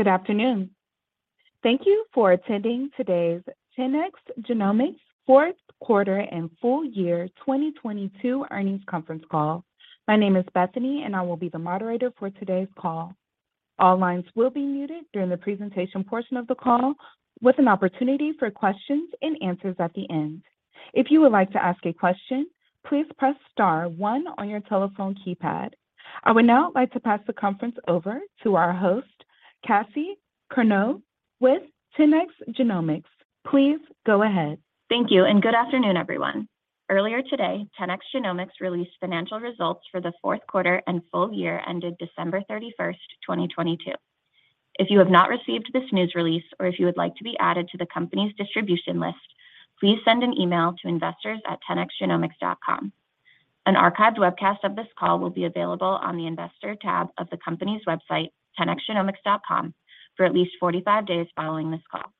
Good afternoon. Thank you for attending today's 10x Genomics fourth quarter and full year 2022 earnings conference call. My name is Bethany. I will be the moderator for today's call. All lines will be muted during the presentation portion of the call with an opportunity for questions and answers at the end. If you would like to ask a question, please press star one on your telephone keypad. I would now like to pass the conference over to our host, Cassie Corneau with 10x Genomics. Please go ahead. Thank you and good afternoon, everyone. Earlier today, 10x Genomics released financial results for the fourth quarter and full year ended December 31st, 2022. If you have not received this news release or if you would like to be added to the company's distribution list, please send an email to investors@10xgenomics.com. An archived webcast of this call will be available on the investor tab of the company's website, 10xgenomics.com, for at least 45 days following this call.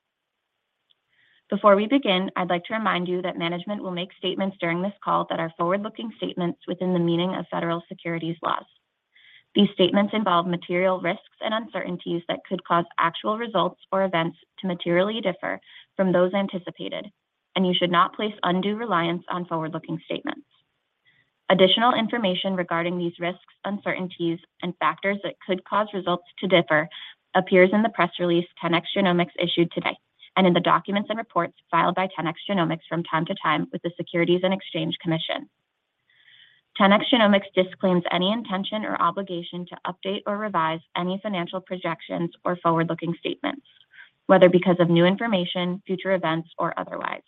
Before we begin, I'd like to remind you that management will make statements during this call that are forward-looking statements within the meaning of federal securities laws. These statements involve material risks and uncertainties that could cause actual results or events to materially differ from those anticipated. You should not place undue reliance on forward-looking statements. Additional information regarding these risks, uncertainties, and factors that could cause results to differ appears in the press release 10x Genomics issued today, and in the documents and reports filed by 10x Genomics from time to time with the Securities and Exchange Commission. 10x Genomics disclaims any intention or obligation to update or revise any financial projections or forward-looking statements, whether because of new information, future events, or otherwise.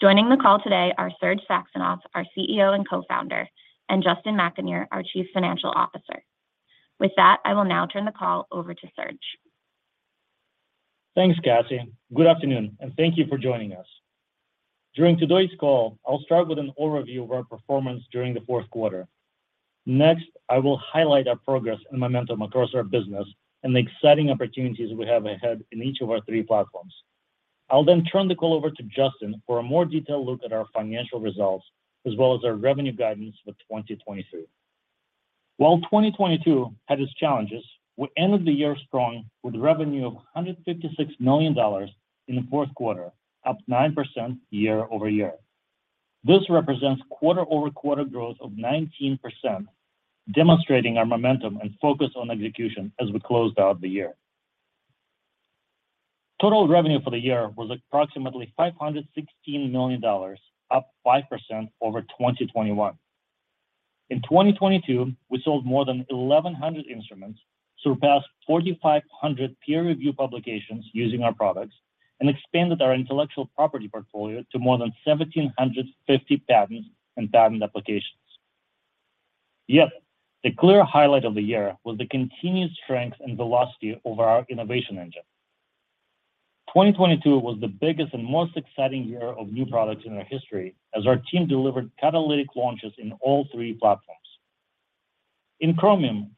Joining the call today are Serge Saxonov, our CEO and Co-Founder, and Justin McAnear, our Chief Financial Officer. With that, I will now turn the call over to Serge. Thanks, Cassie. Good afternoon. Thank you for joining us. During today's call, I'll start with an overview of our performance during the fourth quarter. Next, I will highlight our progress and momentum across our business and the exciting opportunities we have ahead in each of our three platforms. I'll then turn the call over to Justin for a more detailed look at our financial results, as well as our revenue guidance for 2023. While 2022 had its challenges, we ended the year strong with revenue of $156 million in the fourth quarter, up 9% year-over-year. This represents quarter-over-quarter growth of 19%, demonstrating our momentum and focus on execution as we closed out the year. Total revenue for the year was approximately $516 million, up 5% over 2021. In 2022, we sold more than 1,100 instruments, surpassed 4,500 peer review publications using our products, and expanded our intellectual property portfolio to more than 1,750 patents and patent applications. The clear highlight of the year was the continued strength and velocity over our innovation engine. 2022 was the biggest and most exciting year of new products in our history as our team delivered catalytic launches in all three platforms. In Chromium,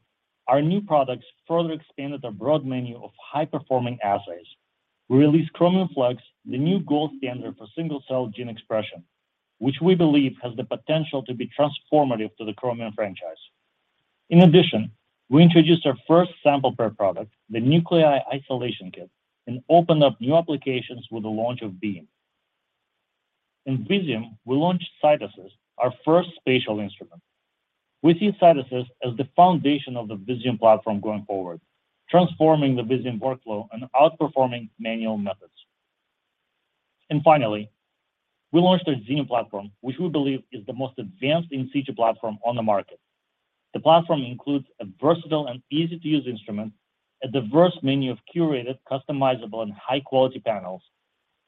our new products further expanded our broad menu of high-performing assays. We released Chromium Flex, the new gold standard for single-cell gene expression, which we believe has the potential to be transformative to the Chromium franchise. In addition, we introduced our first sample prep product, the Nuclei Isolation Kit, and opened up new applications with the launch of BEAM. In Visium, we launched CytAssist, our first spatial instrument. We see CytAssist as the foundation of the Visium platform going forward, transforming the Visium workflow and outperforming manual methods. Finally, we launched our Xenium platform, which we believe is the most advanced in situ platform on the market. The platform includes a versatile and easy-to-use instrument, a diverse menu of curated, customizable, and high-quality panels,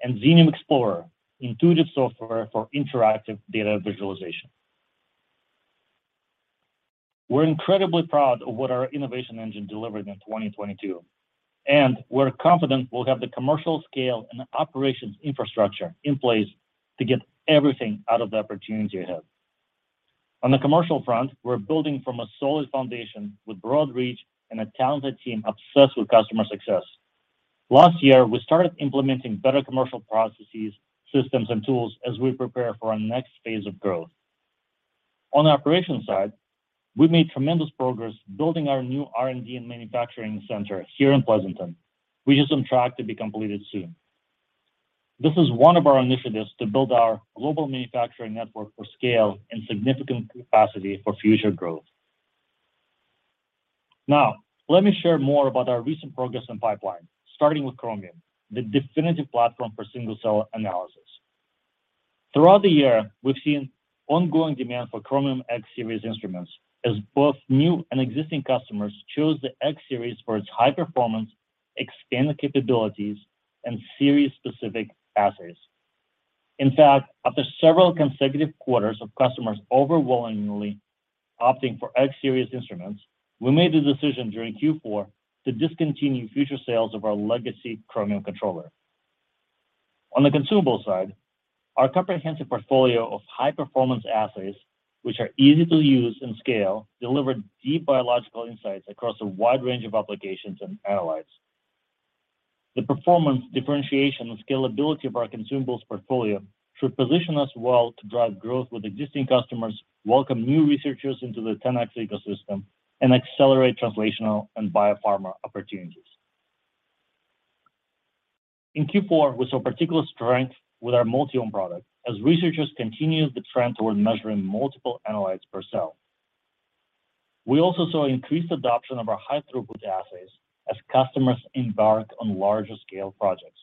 and Xenium Explorer, intuitive software for interactive data visualization. We're incredibly proud of what our innovation engine delivered in 2022, and we're confident we'll have the commercial scale and operations infrastructure in place to get everything out of the opportunity ahead. On the commercial front, we're building from a solid foundation with broad reach and a talented team obsessed with customer success. Last year, we started implementing better commercial processes, systems, and tools as we prepare for our next phase of growth. On the operations side, we made tremendous progress building our new R&D and manufacturing center here in Pleasanton, which is on track to be completed soon. This is one of our initiatives to build our global manufacturing network for scale and significant capacity for future growth. Let me share more about our recent progress and pipeline, starting with Chromium, the definitive platform for single-cell analysis. Throughout the year, we've seen ongoing demand for Chromium X Series instruments as both new and existing customers chose the X Series for its high performance, expanded capabilities, and series-specific assays. In fact, after several consecutive quarters of customers overwhelmingly opting for X Series instruments, we made the decision during Q4 to discontinue future sales of our legacy Chromium Controller. On the consumable side, our comprehensive portfolio of high-performance assays, which are easy to use and scale, delivered deep biological insights across a wide range of applications and analytes. The performance, differentiation, and scalability of our consumables portfolio should position us well to drive growth with existing customers, welcome new researchers into the 10x ecosystem, and accelerate translational and biopharma opportunities. In Q4, we saw particular strength with our Multiome product as researchers continued the trend towards measuring multiple analytes per cell. We also saw increased adoption of our high-throughput assays as customers embark on larger scale projects.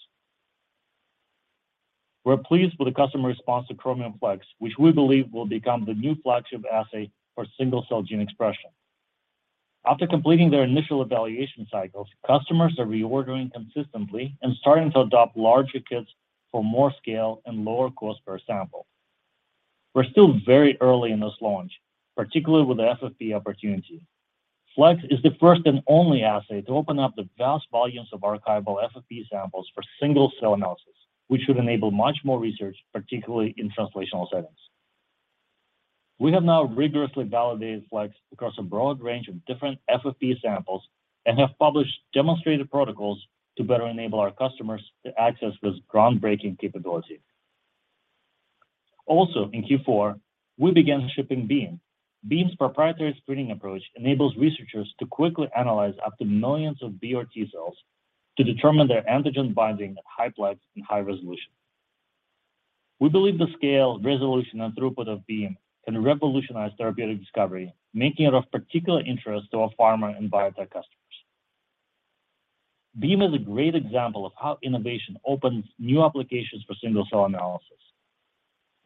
We're pleased with the customer response to Chromium Flex, which we believe will become the new flagship assay for single-cell gene expression. After completing their initial evaluation cycles, customers are reordering consistently and starting to adopt larger kits for more scale and lower cost per sample. We're still very early in this launch, particularly with the FFPE opportunity. Flex is the first and only assay to open up the vast volumes of archival FFPE samples for single-cell analysis, which should enable much more research, particularly in translational settings. We have now rigorously validated Flex across a broad range of different FFPE samples and have published demonstrated protocols to better enable our customers to access this groundbreaking capability. In Q4, we began shipping BEAM. BEAM's proprietary screening approach enables researchers to quickly analyze up to millions of B or T cells to determine their antigen binding at high plex and high resolution. We believe the scale, resolution, and throughput of BEAM can revolutionize therapeutic discovery, making it of particular interest to our pharma and biotech customers. BEAM is a great example of how innovation opens new applications for single-cell analysis.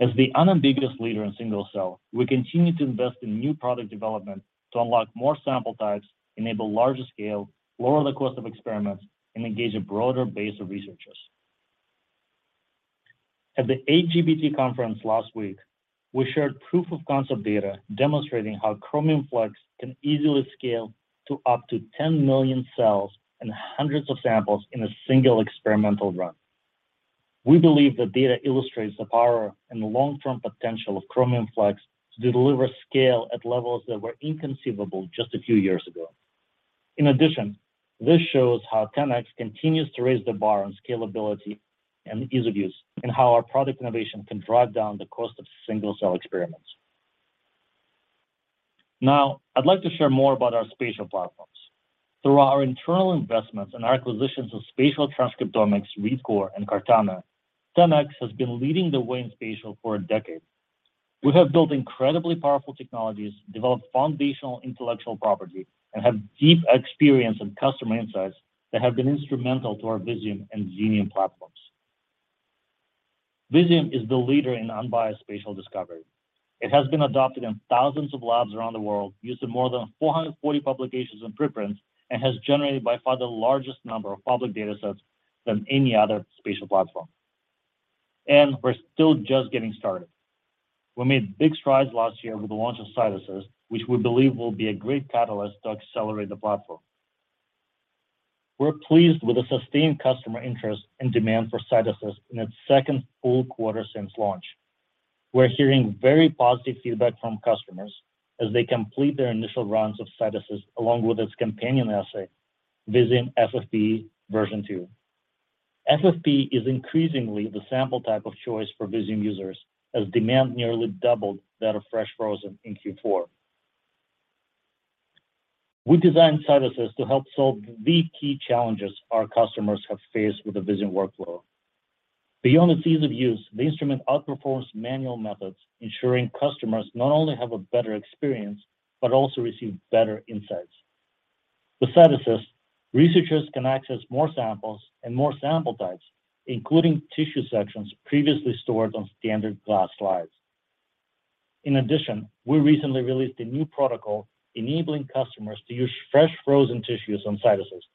As the unambiguous leader in single cell, we continue to invest in new product development to unlock more sample types, enable larger scale, lower the cost of experiments, and engage a broader base of researchers. At the AGBT conference last week, we shared proof of concept data demonstrating how Chromium Flex can easily scale to up to 10 million cells and hundreds of samples in a single experimental run. We believe the data illustrates the power and long-term potential of Chromium Flex to deliver scale at levels that were inconceivable just a few years ago. In addition, this shows how 10x continues to raise the bar on scalability and ease of use, and how our product innovation can drive down the cost of single-cell experiments. I'd like to share more about our spatial platforms. Through our internal investments and acquisitions of Spatial Transcriptomics, ReadCoor, and Cartana, 10x has been leading the way in spatial for a decade. We have built incredibly powerful technologies, developed foundational intellectual property, and have deep experience and customer insights that have been instrumental to our Visium and Xenium platforms. Visium is the leader in unbiased spatial discovery. It has been adopted in thousands of labs around the world, used in more than 440 publications and preprints, and has generated by far the largest number of public datasets than any other spatial platform. We're still just getting started. We made big strides last year with the launch of CytAssist, which we believe will be a great catalyst to accelerate the platform. We're pleased with the sustained customer interest and demand for CytAssist in its second full quarter since launch. We're hearing very positive feedback from customers as they complete their initial runs of CytAssist, along with its companion assay, Visium FFPE version 2. FFPE is increasingly the sample type of choice for Visium users as demand nearly doubled that of fresh frozen in Q4. We designed CytAssist to help solve the key challenges our customers have faced with the Visium workflow. Beyond its ease of use, the instrument outperforms manual methods, ensuring customers not only have a better experience, but also receive better insights. With CytAssist, researchers can access more samples and more sample types, including tissue sections previously stored on standard glass slides. In addition, we recently released a new protocol enabling customers to use fresh frozen tissues on CytAssist.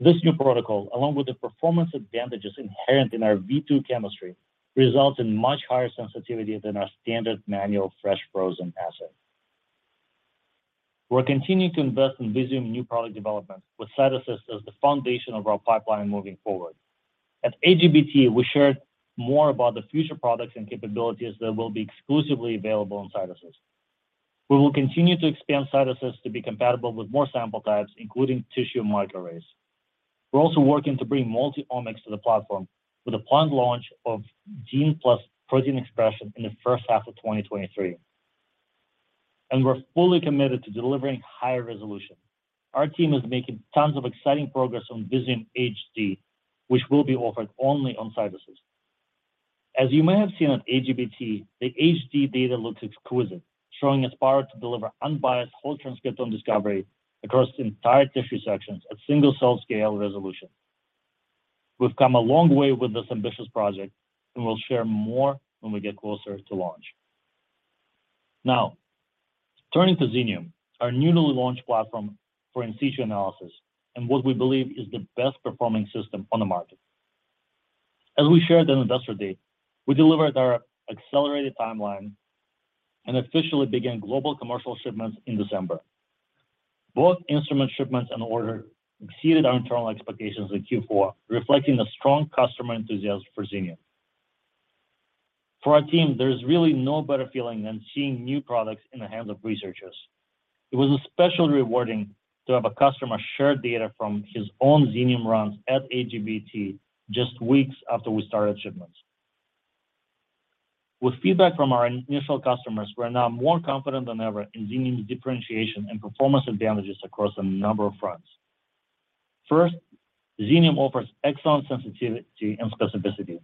This new protocol, along with the performance advantages inherent in our v2 Chemistry, results in much higher sensitivity than our standard manual fresh frozen assay. We're continuing to invest in Visium new product development with CytAssist as the foundation of our pipeline moving forward. At AGBT, we shared more about the future products and capabilities that will be exclusively available on CytAssist. We will continue to expand CytAssist to be compatible with more sample types, including tissue microarrays. We're also working to bring multi-omics to the platform with a planned launch of gene plus protein expression in the first half of 2023. We're fully committed to delivering higher resolution. Our team is making tons of exciting progress on Visium HD, which will be offered only on CytAssist. As you may have seen on AGBT, the HD data looks exquisite, showing its power to deliver unbiased whole transcriptome discovery across entire tissue sections at single-cell scale resolution. We've come a long way with this ambitious project. We'll share more when we get closer to launch. Now, turning to Xenium, our newly launched platform for in situ analysis and what we believe is the best performing system on the market. As we shared in Investor Day, we delivered our accelerated timeline and officially began global commercial shipments in December. Both instrument shipments and orders exceeded our internal expectations in Q4, reflecting a strong customer enthusiasm for Xenium. For our team, there's really no better feeling than seeing new products in the hands of researchers. It was especially rewarding to have a customer share data from his own Xenium runs at AGBT just weeks after we started shipments. With feedback from our initial customers, we're now more confident than ever in Xenium's differentiation and performance advantages across a number of fronts. First, Xenium offers excellent sensitivity and specificity.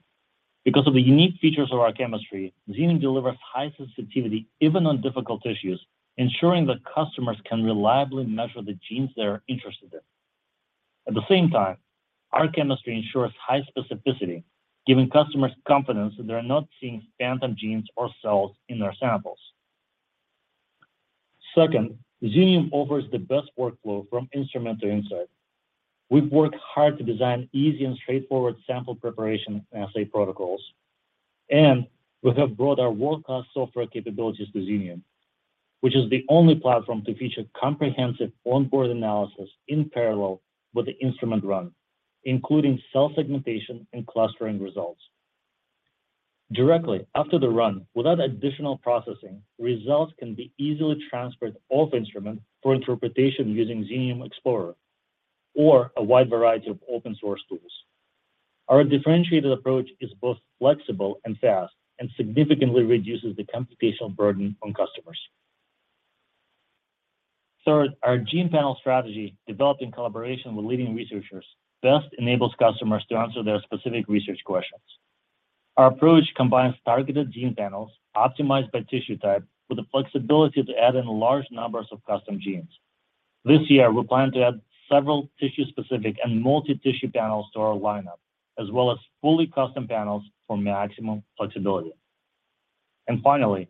Because of the unique features of our chemistry, Xenium delivers high sensitivity even on difficult issues, ensuring that customers can reliably measure the genes they're interested in. At the same time, our chemistry ensures high specificity, giving customers confidence that they're not seeing phantom genes or cells in their samples. Second, Xenium offers the best workflow from instrument to insight. We've worked hard to design easy and straightforward sample preparation and assay protocols, and we have brought our world-class software capabilities to Xenium, which is the only platform to feature comprehensive onboard analysis in parallel with the instrument run, including cell segmentation and clustering results. Directly after the run, without additional processing, results can be easily transferred off instrument for interpretation using Xenium Explorer or a wide variety of open source tools. Our differentiated approach is both flexible and fast and significantly reduces the computational burden on customers. Third, our gene panel strategy, developed in collaboration with leading researchers, best enables customers to answer their specific research questions. Our approach combines targeted gene panels optimized by tissue type with the flexibility to add in large numbers of custom genes. This year, we plan to add several tissue-specific and multi-tissue panels to our lineup, as well as fully custom panels for maximum flexibility. Finally,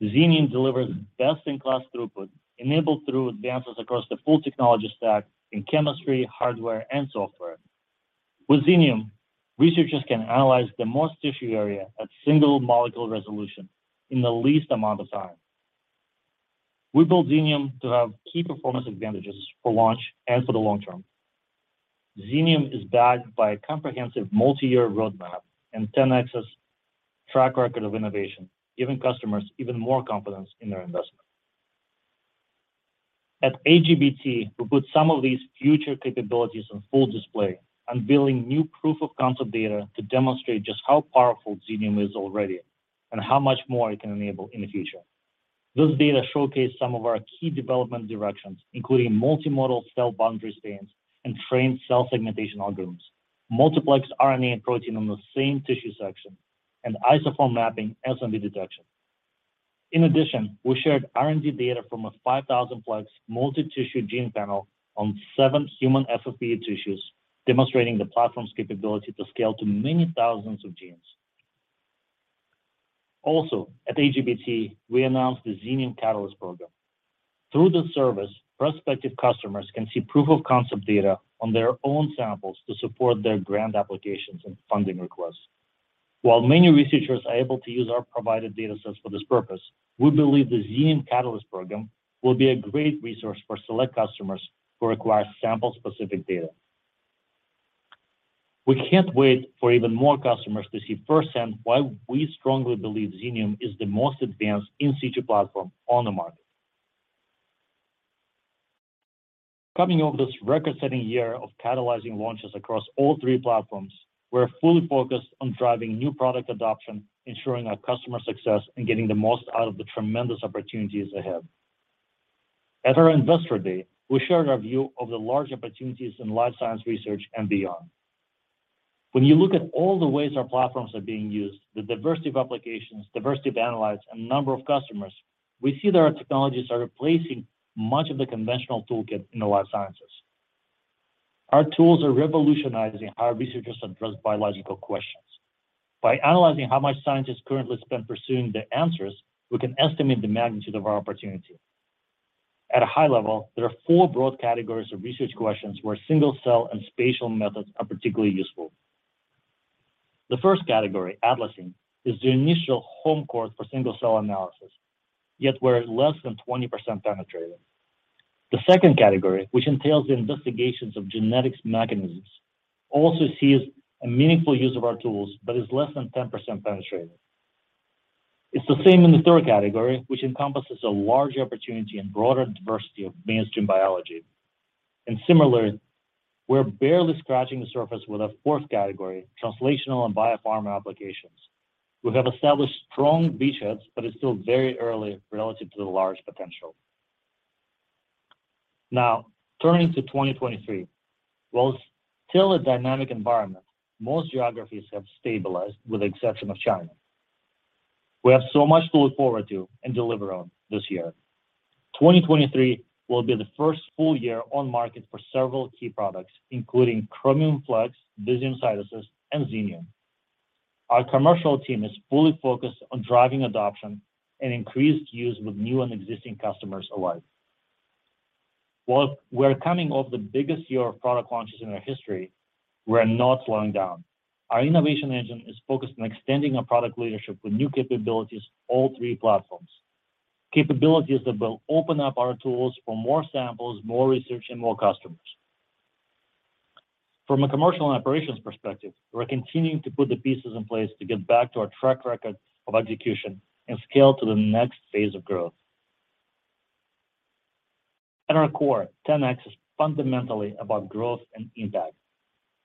Xenium delivers best-in-class throughput enabled through advances across the full technology stack in chemistry, hardware, and software. With Xenium, researchers can analyze the most tissue area at single molecule resolution in the least amount of time. We built Xenium to have key performance advantages for launch and for the long term. Xenium is backed by a comprehensive multi-year roadmap and 10x's track record of innovation, giving customers even more confidence in their investment. At AGBT, we put some of these future capabilities on full display, unveiling new proof-of-concept data to demonstrate just how powerful Xenium is already and how much more it can enable in the future. This data showcase some of our key development directions, including multimodal cell boundary stains and trained cell segmentation algorithms, multiplex RNA and protein on the same tissue section, and isoform mapping SNV detection. In addition, we shared R&D data from a 5,000-plex multi-tissue gene panel on seven human FFPE tissues, demonstrating the platform's capability to scale to many thousands of genes. Also, at AGBT, we announced the Xenium Catalyst Program. Through this service, prospective customers can see proof-of-concept data on their own samples to support their grant applications and funding requests. While many researchers are able to use our provided datasets for this purpose, we believe the Xenium Catalyst Program will be a great resource for select customers who require sample-specific data. We can't wait for even more customers to see first-hand why we strongly believe Xenium is the most advanced in situ platform on the market. Coming off this record-setting year of catalyzing launches across all three platforms, we're fully focused on driving new product adoption, ensuring our customer success, and getting the most out of the tremendous opportunities ahead. At our Investor Day, we shared our view of the large opportunities in life science research and beyond. When you look at all the ways our platforms are being used, the diversity of applications, diversity of analysis, and number of customers, we see that our technologies are replacing much of the conventional toolkit in the life sciences. Our tools are revolutionizing how researchers address biological questions. By analyzing how much scientists currently spend pursuing the answers, we can estimate the magnitude of our opportunity. At a high level, there are four broad categories of research questions where single-cell and spatial methods are particularly useful. The first category, atlasing, is the initial home court for single-cell analysis, yet we're less than 20% penetrated. The second category, which entails the investigations of genetic mechanisms, also sees a meaningful use of our tools but is less than 10% penetrated. It's the same in the third category, which encompasses a large opportunity and broader diversity of mainstream biology. Similarly, we're barely scratching the surface with our fourth category, translational and biopharma applications. We have established strong beachheads, but it's still very early relative to the large potential. Now, turning to 2023, while still a dynamic environment, most geographies have stabilized with the exception of China. We have so much to look forward to and deliver on this year. 2023 will be the first full year on market for several key products, including Chromium Flex, Visium CytAssist, and Xenium. Our commercial team is fully focused on driving adoption and increased use with new and existing customers alike. While we're coming off the biggest year of product launches in our history, we're not slowing down. Our innovation engine is focused on extending our product leadership with new capabilities, all three platforms. Capabilities that will open up our tools for more samples, more research, and more customers. From a commercial and operations perspective, we're continuing to put the pieces in place to get back to our track record of execution and scale to the next phase of growth. At our core, 10x is fundamentally about growth and impact.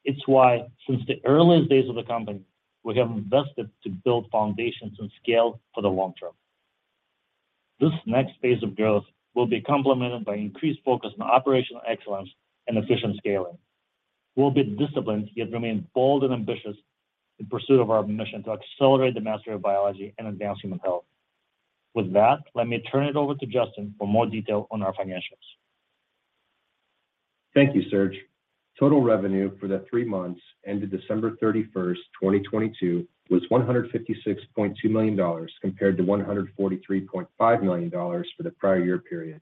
It's why since the earliest days of the company, we have invested to build foundations and scale for the long term. This next phase of growth will be complemented by increased focus on operational excellence and efficient scaling. We'll be disciplined, yet remain bold and ambitious in pursuit of our mission to accelerate the mastery of biology and advance human health. With that, let me turn it over to Justin for more detail on our financials. Thank you, Serge. Total revenue for the three months ended December 31st, 2022 was $156.2 million compared to $143.5 million for the prior year period,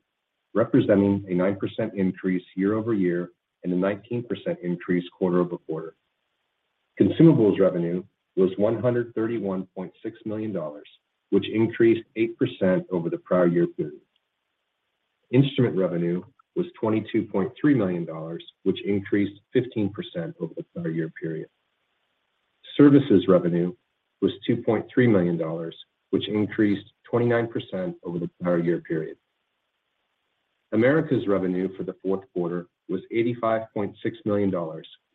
representing a 9% increase year-over-year and a 19% increase quarter-over-quarter. Consumables revenue was $131.6 million, which increased 8% over the prior year period. Instrument revenue was $22.3 million, which increased 15% over the prior year period. Services revenue was $2.3 million, which increased 29% over the prior year period. Americas revenue for the fourth quarter was $85.6 million,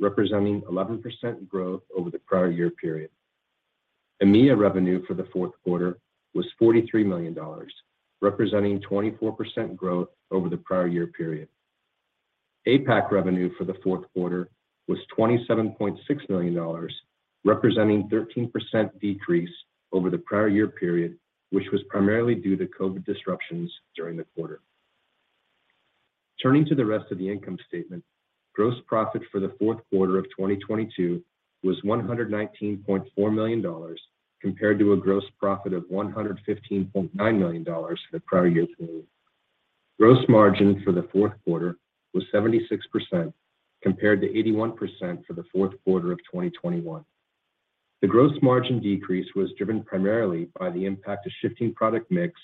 representing 11% growth over the prior year period. EMEA revenue for the fourth quarter was $43 million, representing 24% growth over the prior year period. APAC revenue for the fourth quarter was $27.6 million, representing 13% decrease over the prior-year period, which was primarily due to COVID disruptions during the quarter. Turning to the rest of the income statement, gross profit for the fourth quarter of 2022 was $119.4 million compared to a gross profit of $115.9 million for the prior-year period. Gross margin for the fourth quarter was 76% compared to 81% for the fourth quarter of 2021. The gross margin decrease was driven primarily by the impact of shifting product mix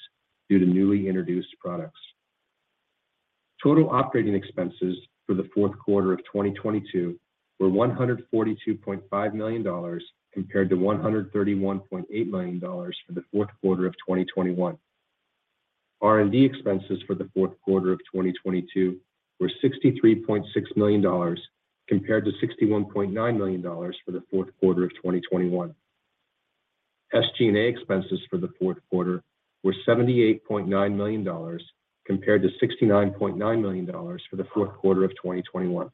due to newly introduced products. Total operating expenses for the fourth quarter of 2022 were $142.5 million compared to $131.8 million for the fourth quarter of 2021. R&D expenses for the fourth quarter of 2022 were $63.6 million compared to $61.9 million for the fourth quarter of 2021. SG&A expenses for the fourth quarter were $78.9 million compared to $69.9 million for the fourth quarter of 2021.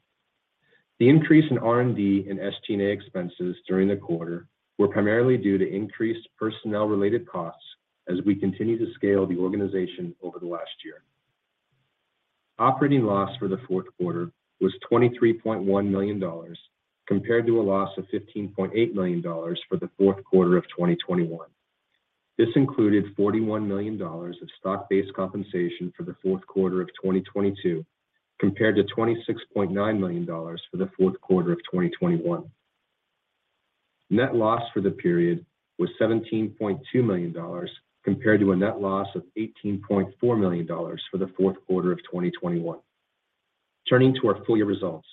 The increase in R&D and SG&A expenses during the quarter were primarily due to increased personnel-related costs as we continue to scale the organization over the last year. Operating loss for the fourth quarter was $23.1 million compared to a loss of $15.8 million for the fourth quarter of 2021. This included $41 million of stock-based compensation for the fourth quarter of 2022 compared to $26.9 million for the fourth quarter of 2021. Net loss for the period was $17.2 million compared to a net loss of $18.4 million for the fourth quarter of 2021. Turning to our full year results,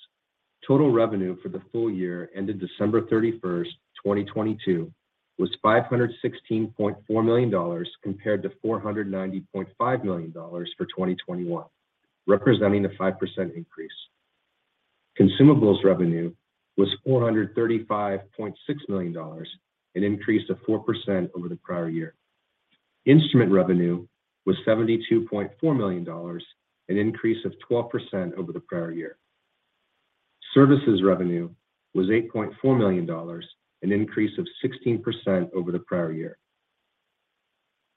total revenue for the full year ended December 31st, 2022 was $516.4 million compared to $490.5 million for 2021, representing a 5% increase. Consumables revenue was $435.6 million, an increase of 4% over the prior year. Instrument revenue was $72.4 million, an increase of 12% over the prior year. Services revenue was $8.4 million, an increase of 16% over the prior year.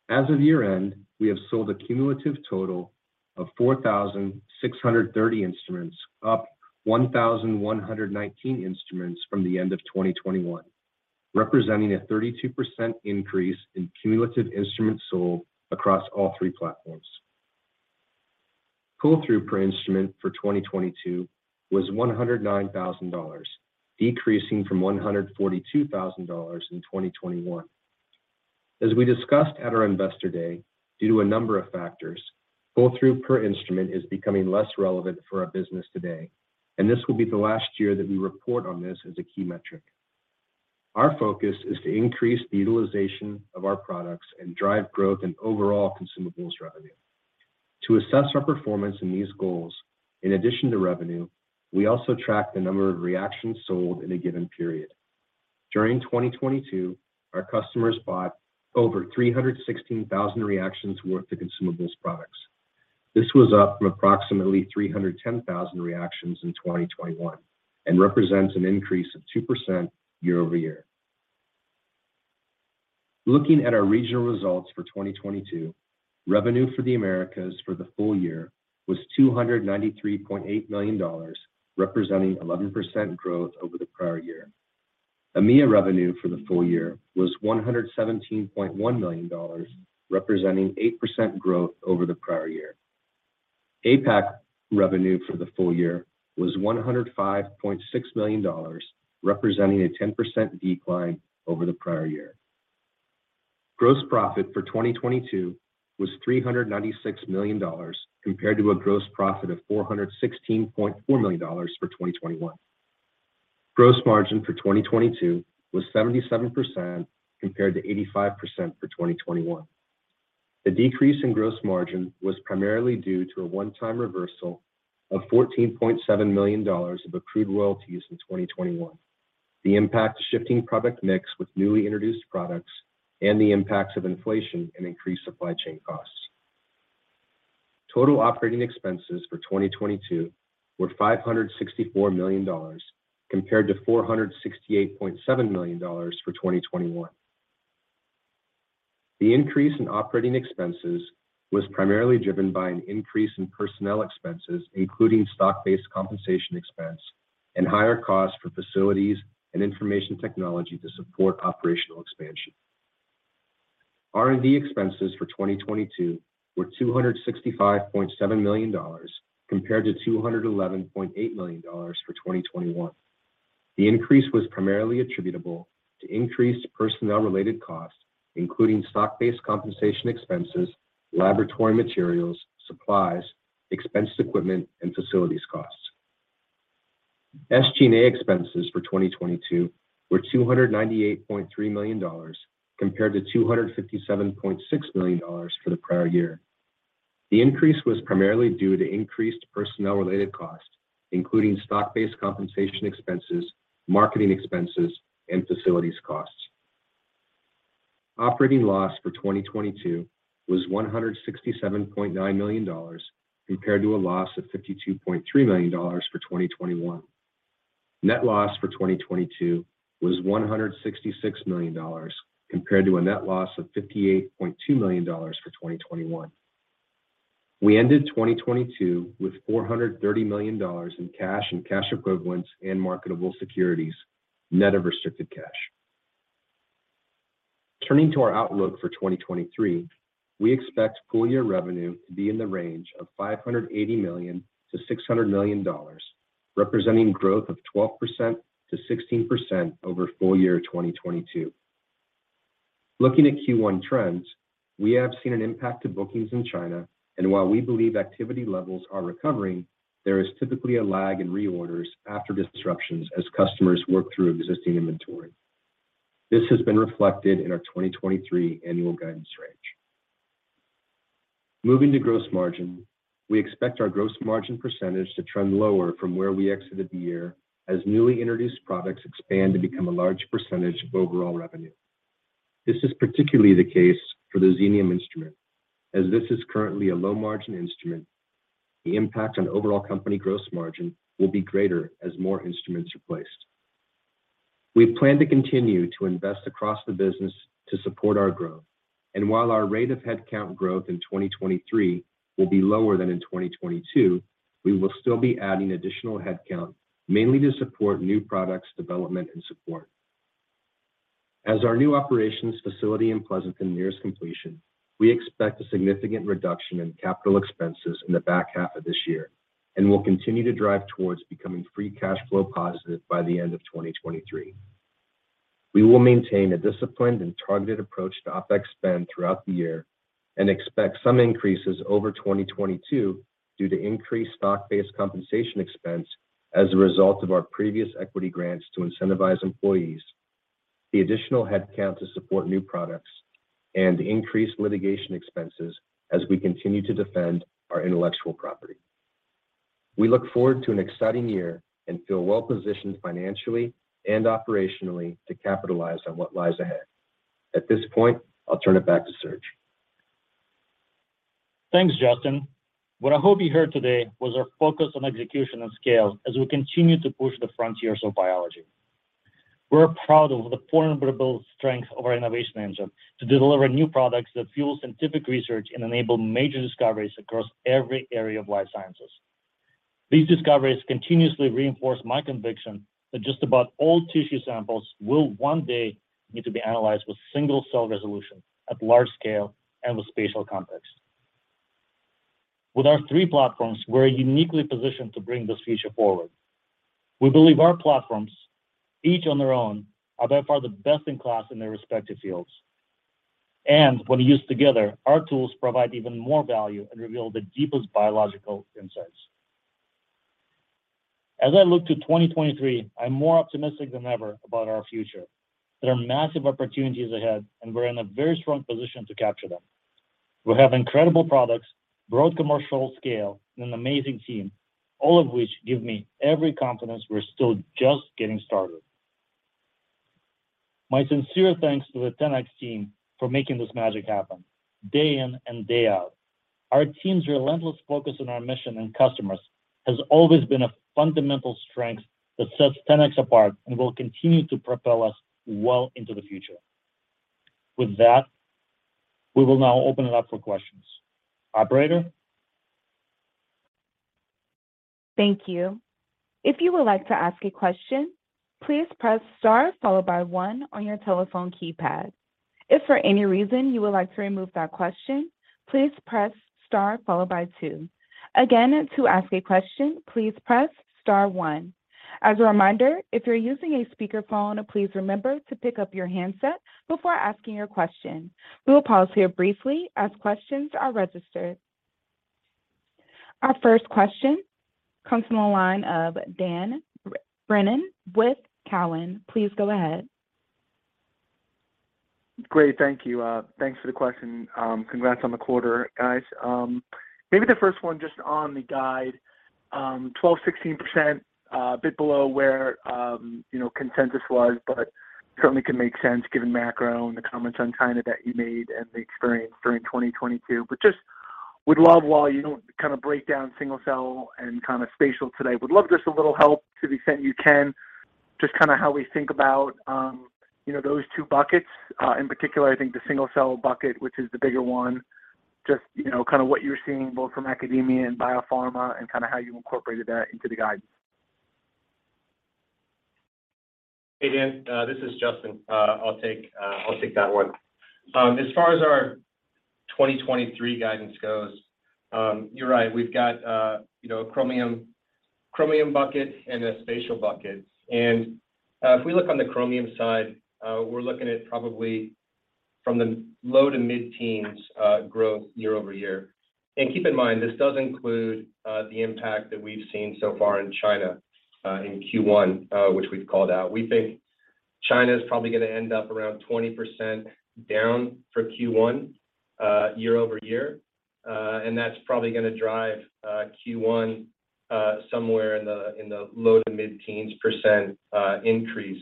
As of year-end, we have sold a cumulative total of 4,630 instruments, up 1,119 instruments from the end of 2021, representing a 32% increase in cumulative instruments sold across all three platforms. Pull-through per instrument for 2022 was $109,000, decreasing from $142,000 in 2021. As we discussed at our Investor Day, due to a number of factors, pull-through per instrument is becoming less relevant for our business today, and this will be the last year that we report on this as a key metric. Our focus is to increase the utilization of our products and drive growth in overall consumables revenue. To assess our performance in these goals, in addition to revenue, we also track the number of reactions sold in a given period. During 2022, our customers bought over 316,000 reactions worth of consumables products. This was up from approximately 310,000 reactions in 2021 and represents an increase of 2% year-over-year. Looking at our regional results for 2022, revenue for the Americas for the full year was $293.8 million, representing 11% growth over the prior year. EMEA revenue for the full year was $117.1 million, representing 8% growth over the prior year. APAC revenue for the full year was $105.6 million, representing a 10% decline over the prior year. Gross profit for 2022 was $396 million compared to a gross profit of $416.4 million for 2021. Gross margin for 2022 was 77% compared to 85% for 2021. The decrease in gross margin was primarily due to a one-time reversal of $14.7 million of accrued royalties in 2021, the impact of shifting product mix with newly introduced products and the impacts of inflation and increased supply chain costs. Total operating expenses for 2022 were $564 million compared to $468.7 million for 2021. The increase in operating expenses was primarily driven by an increase in personnel expenses, including stock-based compensation expense and higher costs for facilities and information technology to support operational expansion. R&D expenses for 2022 were $265.7 million compared to $211.8 million for 2021. The increase was primarily attributable to increased personnel-related costs, including stock-based compensation expenses, laboratory materials, supplies, expensed equipment and facilities costs. SG&A expenses for 2022 were $298.3 million compared to $257.6 million for the prior year. The increase was primarily due to increased personnel-related costs, including stock-based compensation expenses, marketing expenses, and facilities costs. Operating loss for 2022 was $167.9 million compared to a loss of $52.3 million for 2021. Net loss for 2022 was $166 million compared to a net loss of $58.2 million for 2021. We ended 2022 with $430 million in cash and cash equivalents and marketable securities, net of restricted cash. Turning to our outlook for 2023, we expect full year revenue to be in the range of $580 million-$600 million, representing growth of 12%-16% over full year 2022. Looking at Q1 trends, we have seen an impact to bookings in China, and while we believe activity levels are recovering, there is typically a lag in reorders after disruptions as customers work through existing inventory. This has been reflected in our 2023 annual guidance range. Moving to gross margin, we expect our gross margin % to trend lower from where we exited the year as newly introduced products expand to become a large % of overall revenue. This is particularly the case for the Xenium instrument. As this is currently a low margin instrument, the impact on overall company gross margin will be greater as more instruments are placed. We plan to continue to invest across the business to support our growth. While our rate of headcount growth in 2023 will be lower than in 2022, we will still be adding additional headcount, mainly to support new products development and support. As our new operations facility in Pleasanton nears completion, we expect a significant reduction in capital expenses in the back half of this year and will continue to drive towards becoming free cash flow positive by the end of 2023. We will maintain a disciplined and targeted approach to OpEx spend throughout the year and expect some increases over 2022 due to increased stock-based compensation expense as a result of our previous equity grants to incentivize employees, the additional headcount to support new products and increased litigation expenses as we continue to defend our intellectual property. We look forward to an exciting year and feel well positioned financially and operationally to capitalize on what lies ahead. At this point, I'll turn it back to Serge. Thanks, Justin. What I hope you heard today was our focus on execution and scale as we continue to push the frontiers of biology. We're proud of the formidable strength of our innovation engine to deliver new products that fuel scientific research and enable major discoveries across every area of life sciences. These discoveries continuously reinforce my conviction that just about all tissue samples will one day need to be analyzed with single cell resolution at large scale and with spatial context. With our three platforms, we're uniquely positioned to bring this future forward. We believe our platforms, each on their own, are by far the best in class in their respective fields. When used together, our tools provide even more value and reveal the deepest biological insights. As I look to 2023, I'm more optimistic than ever about our future. There are massive opportunities ahead. We're in a very strong position to capture them. We have incredible products, broad commercial scale, and an amazing team, all of which give me every confidence we're still just getting started. My sincere thanks to the 10x team for making this magic happen day in and day out. Our team's relentless focus on our mission and customers has always been a fundamental strength that sets 10x apart and will continue to propel us well into the future. With that, we will now open it up for questions. Operator. Thank you. If you would like to ask a question, please press star followed by one on your telephone keypad. If for any reason you would like to remove that question, please press star followed by two. Again, to ask a question, please press star one. As a reminder, if you're using a speakerphone, please remember to pick up your handset before asking your question. We will pause here briefly as questions are registered. Our first question comes from the line of Dan Brennan with Cowen. Please go ahead. Great. Thank you. Thanks for the question. Congrats on the quarter, guys. Maybe the first one just on the guide, 12%-16%, a bit below where, you know, consensus was, but certainly can make sense given macro and the comments on China that you made and the experience during 2022. Just would love, while you don't kind of break down single-cell and kind of spatial today, would love just a little help to the extent you can, just kind of how we think about, you know, those two buckets. In particular, I think the single-cell bucket, which is the bigger one, just, you know, kind of what you're seeing both from academia and biopharma and kind of how you incorporated that into the guide. Hey, Dan. This is Justin. I'll take that one. As far as our 2023 guidance goes, you're right. We've got a, you know, a Chromium bucket and a spatial bucket. If we look on the Chromium side, we're looking at probably from the low-to-mid teens% growth year-over-year. Keep in mind, this does include the impact that we've seen so far in China in Q1, which we've called out. We think China is probably gonna end up around 20% down for Q1 year-over-year. That's probably gonna drive Q1 somewhere in the low-to-mid teens% increase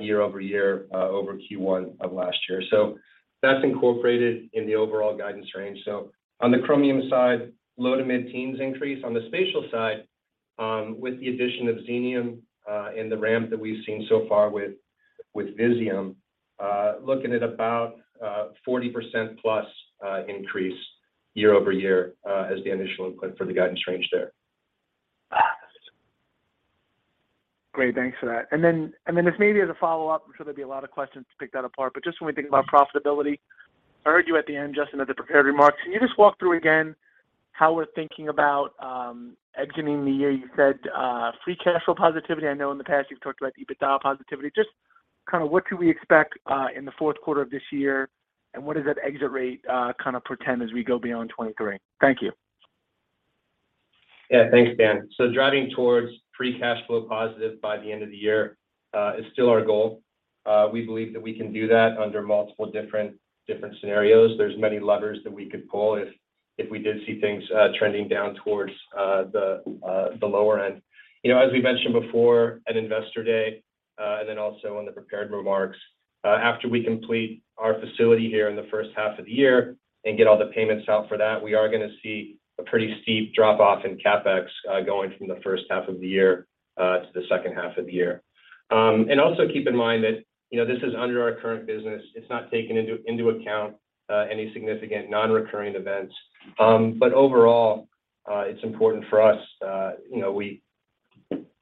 year-over-year over Q1 of last year. That's incorporated in the overall guidance range. On the Chromium side, low to mid-teens increase. On the spatial side, with the addition of Xenium, and the ramp that we've seen so far with Visium, looking at about 40%+ increase year-over-year, as the initial input for the guidance range there. Great. Thanks for that. This maybe as a follow-up, I'm sure there'll be a lot of questions to pick that apart, but just when we think about profitability, I heard you at the end, Justin, at the prepared remarks. Can you just walk through again how we're thinking about exiting the year? You said free cash flow positivity. I know in the past you've talked about EBITDA positivity. Just kind of what can we expect in the fourth quarter of this year, and what does that exit rate kind of portend as we go beyond 2023? Thank you. Yeah. Thanks, Dan. Driving towards free cash flow positive by the end of the year, is still our goal. We believe that we can do that under multiple different scenarios. There's many levers that we could pull if we did see things, trending down towards, the lower end. You know, as we mentioned before at Investor Day, and then also in the prepared remarks, after we complete our facility here in the first half of the year and get all the payments out for that, we are gonna see a pretty steep drop-off in CapEx, going from the first half of the year, to the second half of the year. Also keep in mind that, you know, this is under our current business. It's not taking into account, any significant non-recurring events. Overall, it's important for us, you know,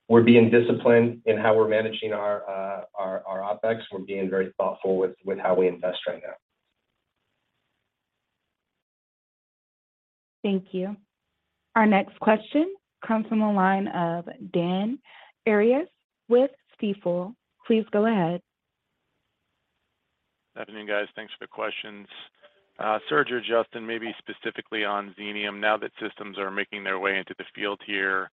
we're being disciplined in how we're managing our OpEx. We're being very thoughtful with how we invest right now. Thank you. Our next question comes from the line of Dan Arias with Stifel. Please go ahead. Evening, guys. Thanks for the questions. Serge or Justin, maybe specifically on Xenium, now that systems are making their way into the field here,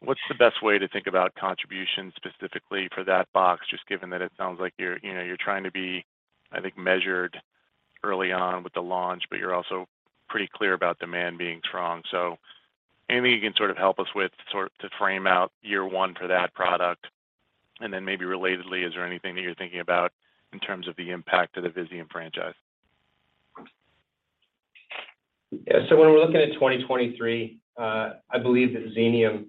what's the best way to think about contributions specifically for that box, just given that it sounds like you're, you know, you're trying to be, I think, measured early on with the launch, but you're also pretty clear about demand being strong? Anything you can sort of help us with to frame out year one for that product? Then maybe relatedly, is there anything that you're thinking about in terms of the impact to the Visium franchise? When we're looking at 2023, I believe that Xenium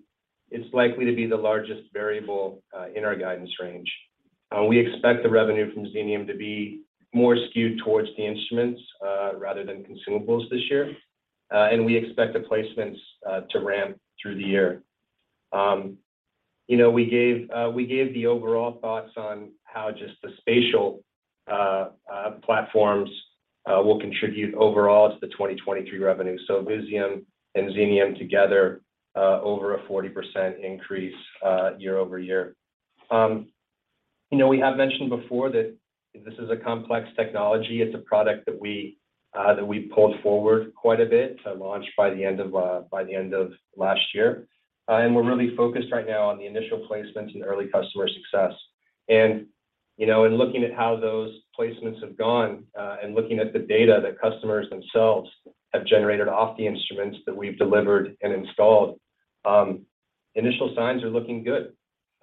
is likely to be the largest variable in our guidance range. We expect the revenue from Xenium to be more skewed towards the instruments rather than consumables this year. We expect the placements to ramp through the year. You know, we gave the overall thoughts on how just the spatial platforms will contribute overall to the 2023 revenue. Visium and Xenium together, over a 40% increase year-over-year. You know, we have mentioned before that this is a complex technology. It's a product that we pulled forward quite a bit to launch by the end of last year. We're really focused right now on the initial placements and early customer success. You know, in looking at how those placements have gone, and looking at the data that customers themselves have generated off the instruments that we've delivered and installed, initial signs are looking good.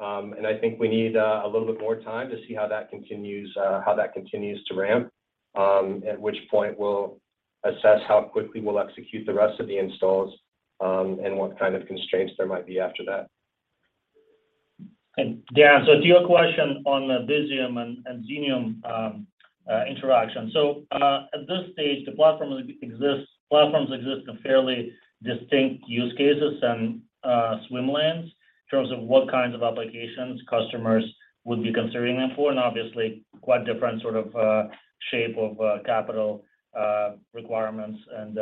I think we need a little bit more time to see how that continues to ramp, at which point we'll assess how quickly we'll execute the rest of the installs, and what kind of constraints there might be after that. Dan, to your question on Visium and Xenium interaction. At this stage, the platform exists, platforms exist in fairly distinct use cases and swim lanes in terms of what kinds of applications customers would be considering them for, and obviously quite different sort of shape of capital requirements and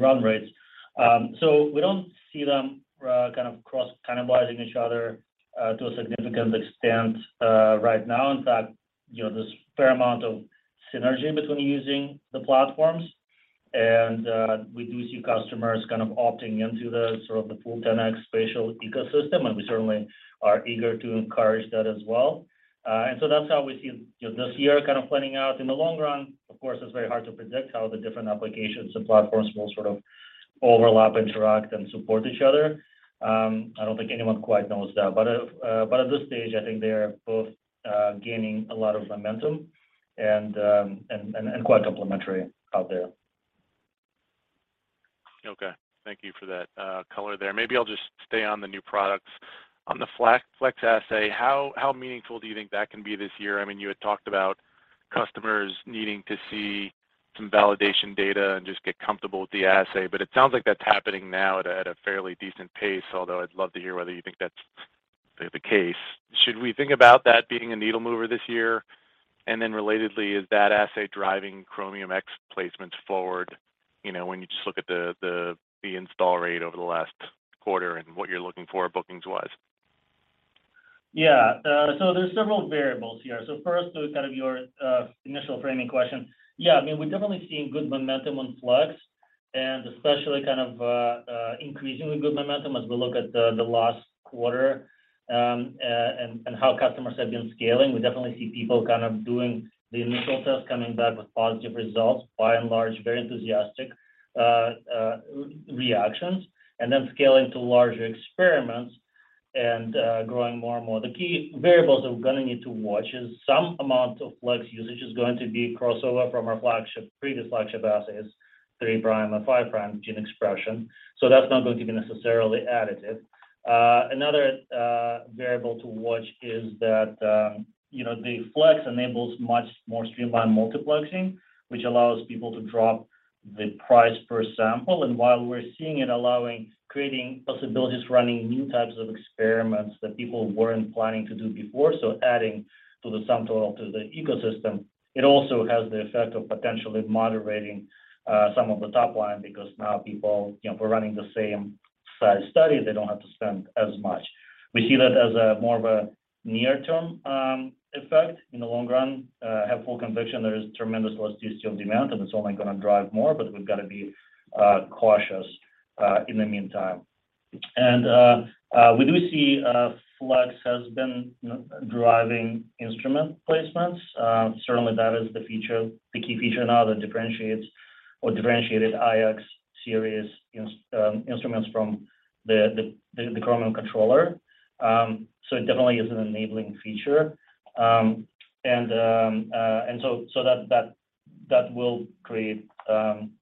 run rates. We don't see them kind of cannibalizing each other to a significant extent right now. In fact, you know, there's a fair amount of synergy between using the platforms and we do see customers kind of opting into the sort of the full 10X spatial ecosystem, and we certainly are eager to encourage that as well. That's how we see, you know, this year kind of planning out. In the long run, of course, it's very hard to predict how the different applications and platforms will sort of overlap, interact and support each other. I don't think anyone quite knows that. At this stage, I think they are both gaining a lot of momentum and quite complementary out there. Okay. Thank you for that color there. Maybe I'll just stay on the new products. On the Flex assay, how meaningful do you think that can be this year? I mean, you had talked about customers needing to see some validation data and just get comfortable with the assay. It sounds like that's happening now at a fairly decent pace, although I'd love to hear whether you think that's the case. Should we think about that being a needle mover this year? Relatedly, is that assay driving Chromium X placements forward? You know, when you just look at the install rate over the last quarter and what you're looking for bookings-wise. Yeah. There's several variables here. First to kind of your initial framing question. Yeah, I mean, we're definitely seeing good momentum on Flex and especially kind of increasingly good momentum as we look at the last quarter and how customers have been scaling. We definitely see people kind of doing the initial test, coming back with positive results, by and large, very enthusiastic reactions, and then scaling to larger experiments and growing more and more. The key variables that we're gonna need to watch is some amount of Flex usage is going to be crossover from our previous flagship assays, 3' or 5' gene expression. That's not going to be necessarily additive. Another variable to watch is that the Flex enables much more streamlined multiplexing, which allows people to drop the price per sample. While we're seeing it allowing creating possibilities for running new types of experiments that people weren't planning to do before, so adding to the sum total to the ecosystem, it also has the effect of potentially moderating some of the top line because now people, if we're running the same size study, they don't have to spend as much. We see that as a more of a near-term effect. In the long run, have full conviction there is tremendous elasticity of demand and it's only gonna drive more, but we've got to be cautious in the meantime. We do see Flex has been driving instrument placements. Certainly that is the feature, the key feature now that differentiates or differentiated iX Series instruments from the Chromium Controller. It definitely is an enabling feature. So that will create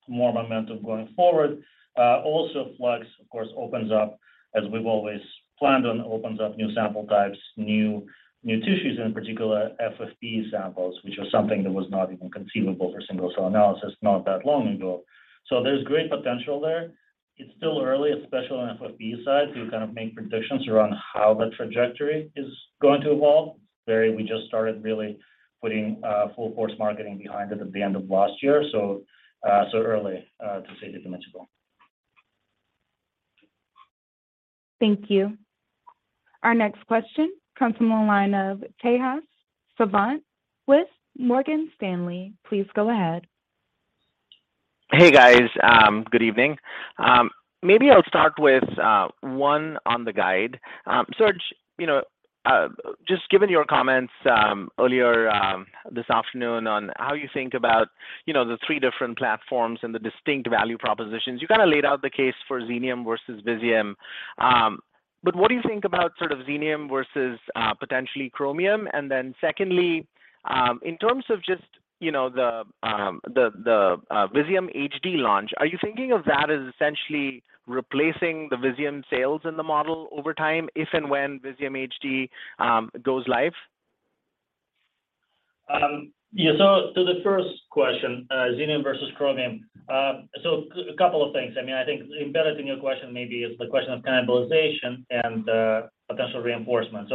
more momentum going forward. Flex of course opens up, as we've always planned on, opens up new sample types, new tissues and in particular FFPE samples, which was something that was not even conceivable for single-cell analysis not that long ago. There's great potential there. It's still early, especially on FFPE side, to kind of make predictions around how the trajectory is going to evolve. We just started really putting full force marketing behind it at the end of last year. Early to say anything meaningful. Thank you. Our next question comes from the line of Tejas Savant with Morgan Stanley. Please go ahead. Hey, guys, good evening. Maybe I'll start with one on the guide. Serge, you know, just given your comments earlier this afternoon on how you think about, you know, the three different platforms and the distinct value propositions, you kind of laid out the case for Xenium versus Visium. What do you think about sort of Xenium versus potentially Chromium? Secondly, in terms of just, you know, the Visium HD launch, are you thinking of that as essentially replacing the Visium sales in the model over time, if and when Visium HD goes live? Yeah. The first question, Xenium versus Chromium. Couple of things. I mean, I think embedded in your question maybe is the question of cannibalization and potential reinforcement.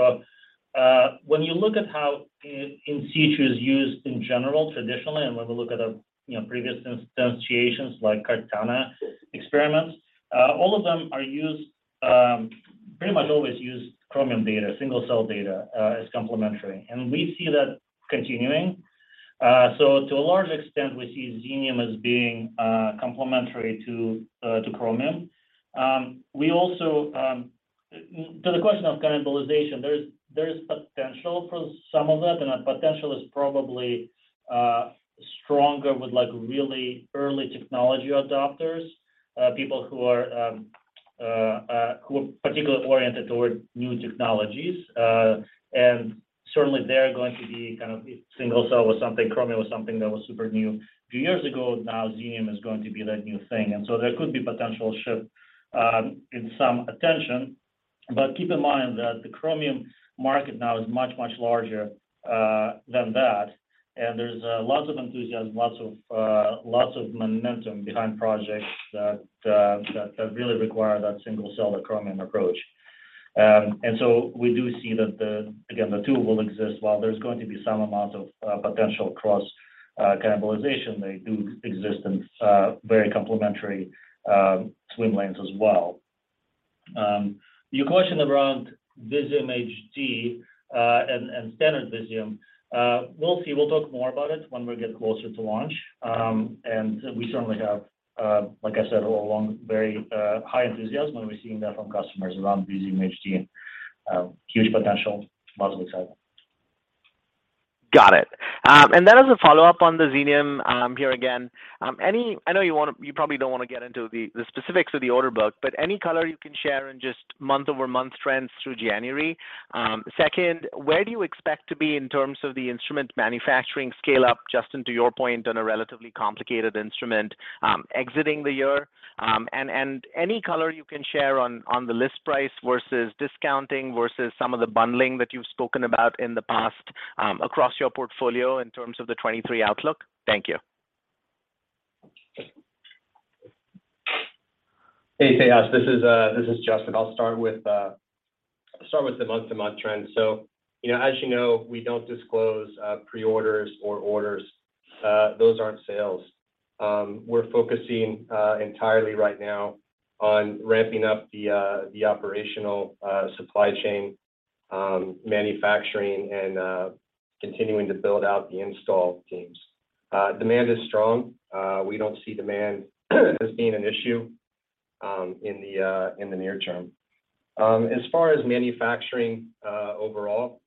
When you look at how in situ is used in general, traditionally, and when we look at previous instantiations like Cartana experiments, all of them are used pretty much always use Chromium data, single-cell data, as complementary, and we see that continuing. To a large extent, we see Xenium as being complementary to Chromium. We also. To the question of cannibalization, there is potential for some of that, and that potential is probably stronger with like really early technology adopters, people who are particularly oriented toward new technologies. Certainly they're going to be If single cell was something, Chromium was something that was super new a few years ago, now Xenium is going to be that new thing. There could be potential shift in some attention. Keep in mind that the Chromium market now is much, much larger than that. There's lots of enthusiasm, lots of lots of momentum behind projects that really require that single-cell or Chromium approach. We do see that again, the two will exist while there's going to be some amount of potential cross cannibalization. They do exist in very complementary swim lanes as well. Your question around Visium HD and standard Visium, we'll see. We'll talk more about it when we get closer to launch. We certainly have, like I said all along, very high enthusiasm, and we're seeing that from customers around Visium HD and, huge potential, lots of excitement. Got it. Then as a follow-up on the Xenium, here again, I know you probably don't wanna get into the specifics of the order book, but any color you can share in just month-over-month trends through January? Second, where do you expect to be in terms of the instrument manufacturing scale up, Justin, to your point, on a relatively complicated instrument, exiting the year? Any color you can share on the list price versus discounting versus some of the bundling that you've spoken about in the past, across your portfolio in terms of the 2023 outlook? Thank you. Hey, Tejas. This is Justin. I'll start with the month-to-month trend. You know, as you know, we don't disclose pre-orders or orders. Those aren't sales. We're focusing entirely right now on ramping up the operational supply chain, manufacturing and continuing to build out the install teams. Demand is strong. We don't see demand as being an issue in the near term. As far as manufacturing overall,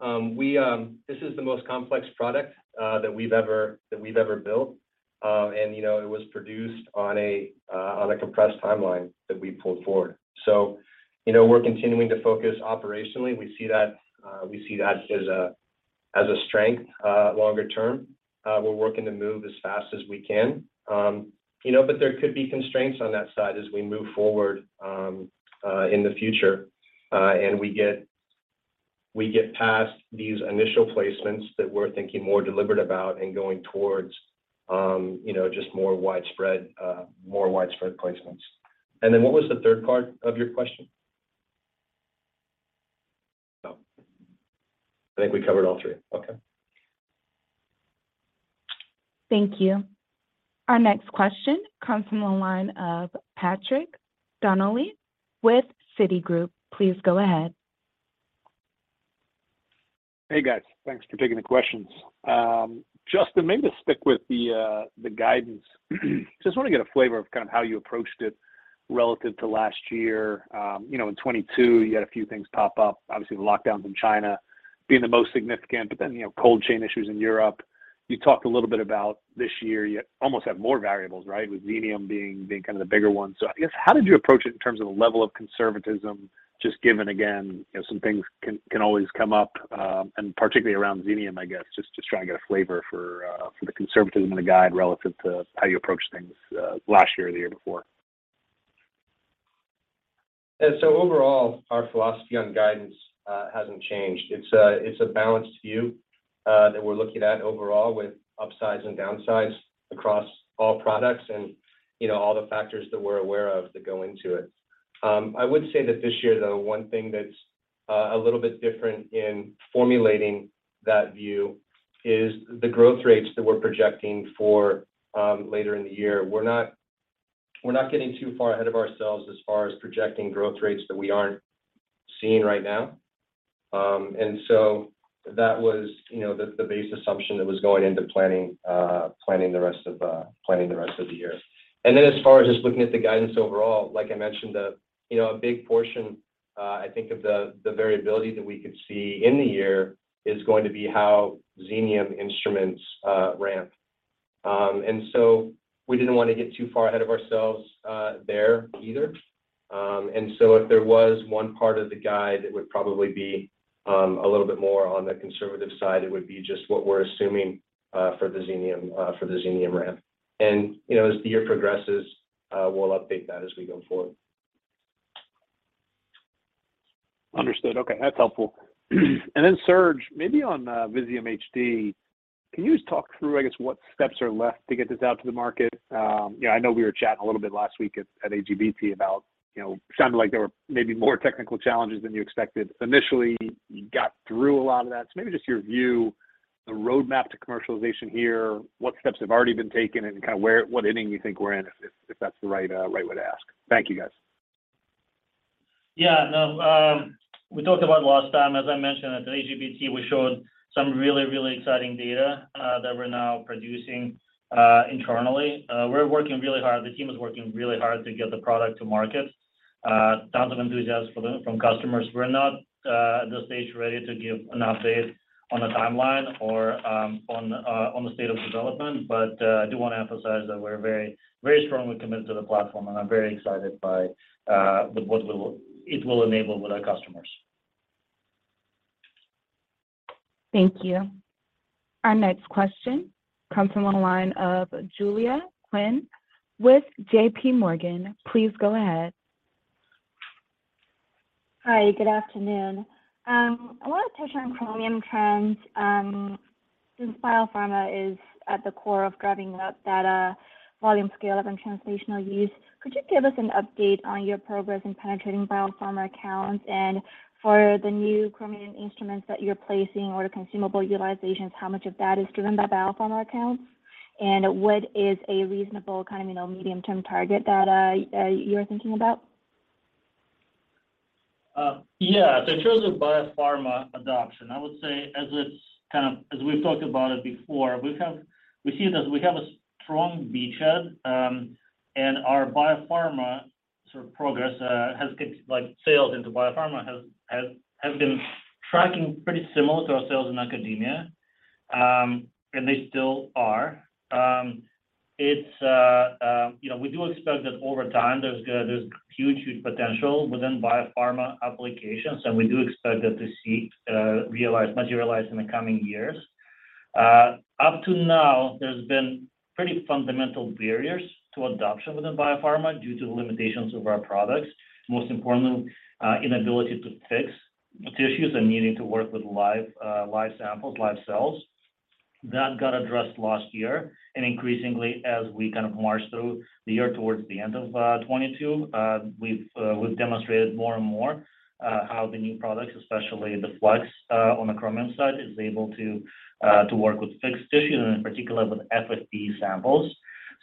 this is the most complex product that we've ever built. You know, it was produced on a compressed timeline that we pulled forward. You know, we're continuing to focus operationally. We see that as a strength longer term. We're working to move as fast as we can. You know, but there could be constraints on that side as we move forward in the future, and we get past these initial placements that we're thinking more deliberate about and going towards, you know, just more widespread placements. What was the third part of your question? No. I think we covered all three. Okay. Thank you. Our next question comes from the line of Patrick Donnelly with Citigroup. Please go ahead. Hey, guys. Thanks for taking the questions. Justin, maybe to stick with the guidance. Just wanna get a flavor of kind of how you approached it relative to last year. You know, in 2022 you had a few things pop up, obviously the lockdowns in China being the most significant, but then, you know, cold chain issues in Europe. You talked a little bit about this year you almost have more variables, right? With Xenium being kind of the bigger one. I guess, how did you approach it in terms of the level of conservatism just given, again, you know, some things can always come up, and particularly around Xenium, I guess, just trying to get a flavor for the conservatism and the guide relative to how you approached things last year or the year before. Overall, our philosophy on guidance hasn't changed. It's a balanced view that we're looking at overall with upsides and downsides across all products and, you know, all the factors that we're aware of that go into it. I would say that this year, though, one thing that's a little bit different in formulating that view is the growth rates that we're projecting for later in the year. We're not getting too far ahead of ourselves as far as projecting growth rates that we aren't seeing right now. That was, you know, the base assumption that was going into planning the rest of the year. As far as just looking at the guidance overall, like I mentioned, you know, a big portion, I think of the variability that we could see in the year is going to be how Xenium instruments ramp. We didn't want to get too far ahead of ourselves there either. If there was one part of the guide that would probably be a little bit more on the conservative side, it would be just what we're assuming for the Xenium, for the Xenium ramp. You know, as the year progresses, we'll update that as we go forward. Understood. Okay. That's helpful. Serge, maybe on Visium HD, can you just talk through, I guess, what steps are left to get this out to the market? You know, I know we were chatting a little bit last week at AGBT about, you know, sounded like there were maybe more technical challenges than you expected initially. You got through a lot of that. Maybe just your view, the roadmap to commercialization here, what steps have already been taken and kind of where, what inning you think we're in, if that's the right way to ask. Thank you, guys. Yeah. No, we talked about it last time. As I mentioned at AGBT, we showed some really exciting data that we're now producing internally. We're working really hard. The team is working really hard to get the product to market. Tons of enthusiasm from customers. We're not at this stage ready to give an update on the timeline or on the state of development, but I do want to emphasize that we're very, very strongly committed to the platform, and I'm very excited by what it will enable with our customers. Thank you. Our next question comes from the line of Julia Qin with J.P. Morgan. Please go ahead. Hi, good afternoon. I want to touch on Chromium trends. Since biopharma is at the core of driving up that volume scale of and translational use, could you give us an update on your progress in penetrating biopharma accounts? For the new Chromium instruments that you're placing or the consumable utilizations, how much of that is driven by biopharma accounts? What is a reasonable, kind of, you know, medium-term target that you're thinking about? Yeah. In terms of biopharma adoption, I would say as it's kind of as we've talked about it before, we see that we have a strong beachhead, and our biopharma sort of progress has good like sales into biopharma has been tracking pretty similar to our sales in academia, and they still are. It's, you know, we do expect that over time there's huge, huge potential within biopharma applications, and we do expect that to see, realize, materialize in the coming years. Up to now, there's been pretty fundamental barriers to adoption within biopharma due to the limitations of our products, most importantly, inability to fix tissues and needing to work with live samples, live cells. That got addressed last year. Increasingly as we kind of march through the year towards the end of 2022, we've demonstrated more and more how the new products, especially the Flex, on the Chromium side, is able to work with fixed tissue and in particular with FFPE samples.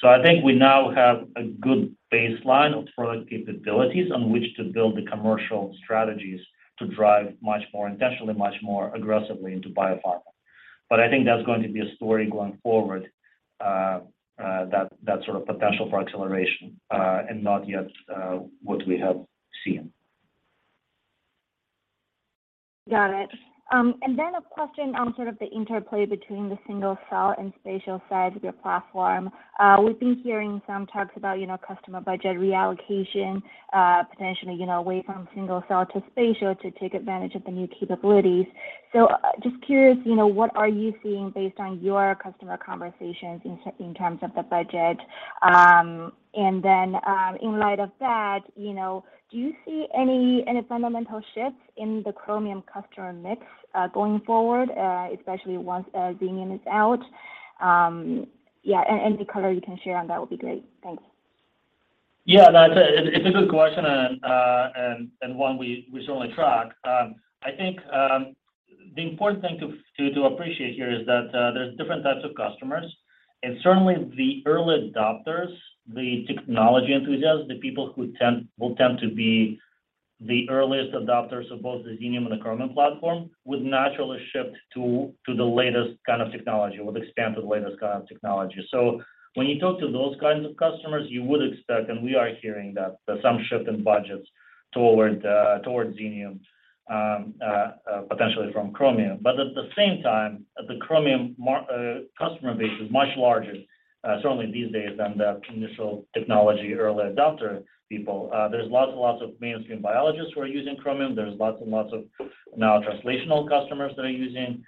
I think we now have a good baseline of product capabilities on which to build the commercial strategies to drive much more intentionally, much more aggressively into biopharma. I think that's going to be a story going forward, that sort of potential for acceleration, and not yet what we have seen. Got it. A question on sort of the interplay between the single-cell and spatial sides of your platform. We've been hearing some talks about, you know, customer budget reallocation, potentially, you know, away from single-cell to spatial to take advantage of the new capabilities. Just curious, you know, what are you seeing based on your customer conversations in terms of the budget? In light of that, you know, do you see any fundamental shifts in the Chromium customer mix going forward, especially once Xenium is out? Yeah, any color you can share on that would be great. Thanks. Yeah. That's a good question and one we certainly track. I think the important thing to appreciate here is that there's different types of customers, and certainly the early adopters, the technology enthusiasts, the people who will tend to be the earliest adopters of both the Xenium and the Chromium platform, would naturally shift to the latest kind of technology, would expand to the latest kind of technology. When you talk to those kinds of customers, you would expect, and we are hearing that there's some shift in budgets toward Xenium, potentially from Chromium. At the same time, the Chromium customer base is much larger, certainly these days than the initial technology early adopter people. There's lots and lots of mainstream biologists who are using Chromium. There's lots and lots of now translational customers that are using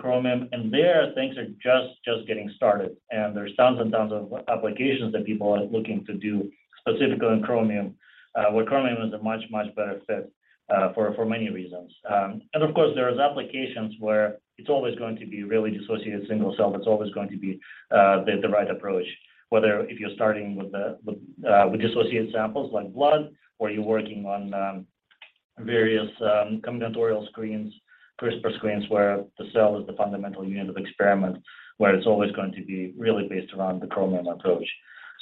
Chromium, and there things are just getting started. There's tons and tons of applications that people are looking to do specifically on Chromium, where Chromium is a much better fit for many reasons. Of course, there is applications where it's always going to be really dissociated single cell. It's always going to be the right approach, whether if you're starting with the dissociated samples like blood or you're working on various combinatorial screens, CRISPR screens, where the cell is the fundamental unit of experiment, where it's always going to be really based around the Chromium approach.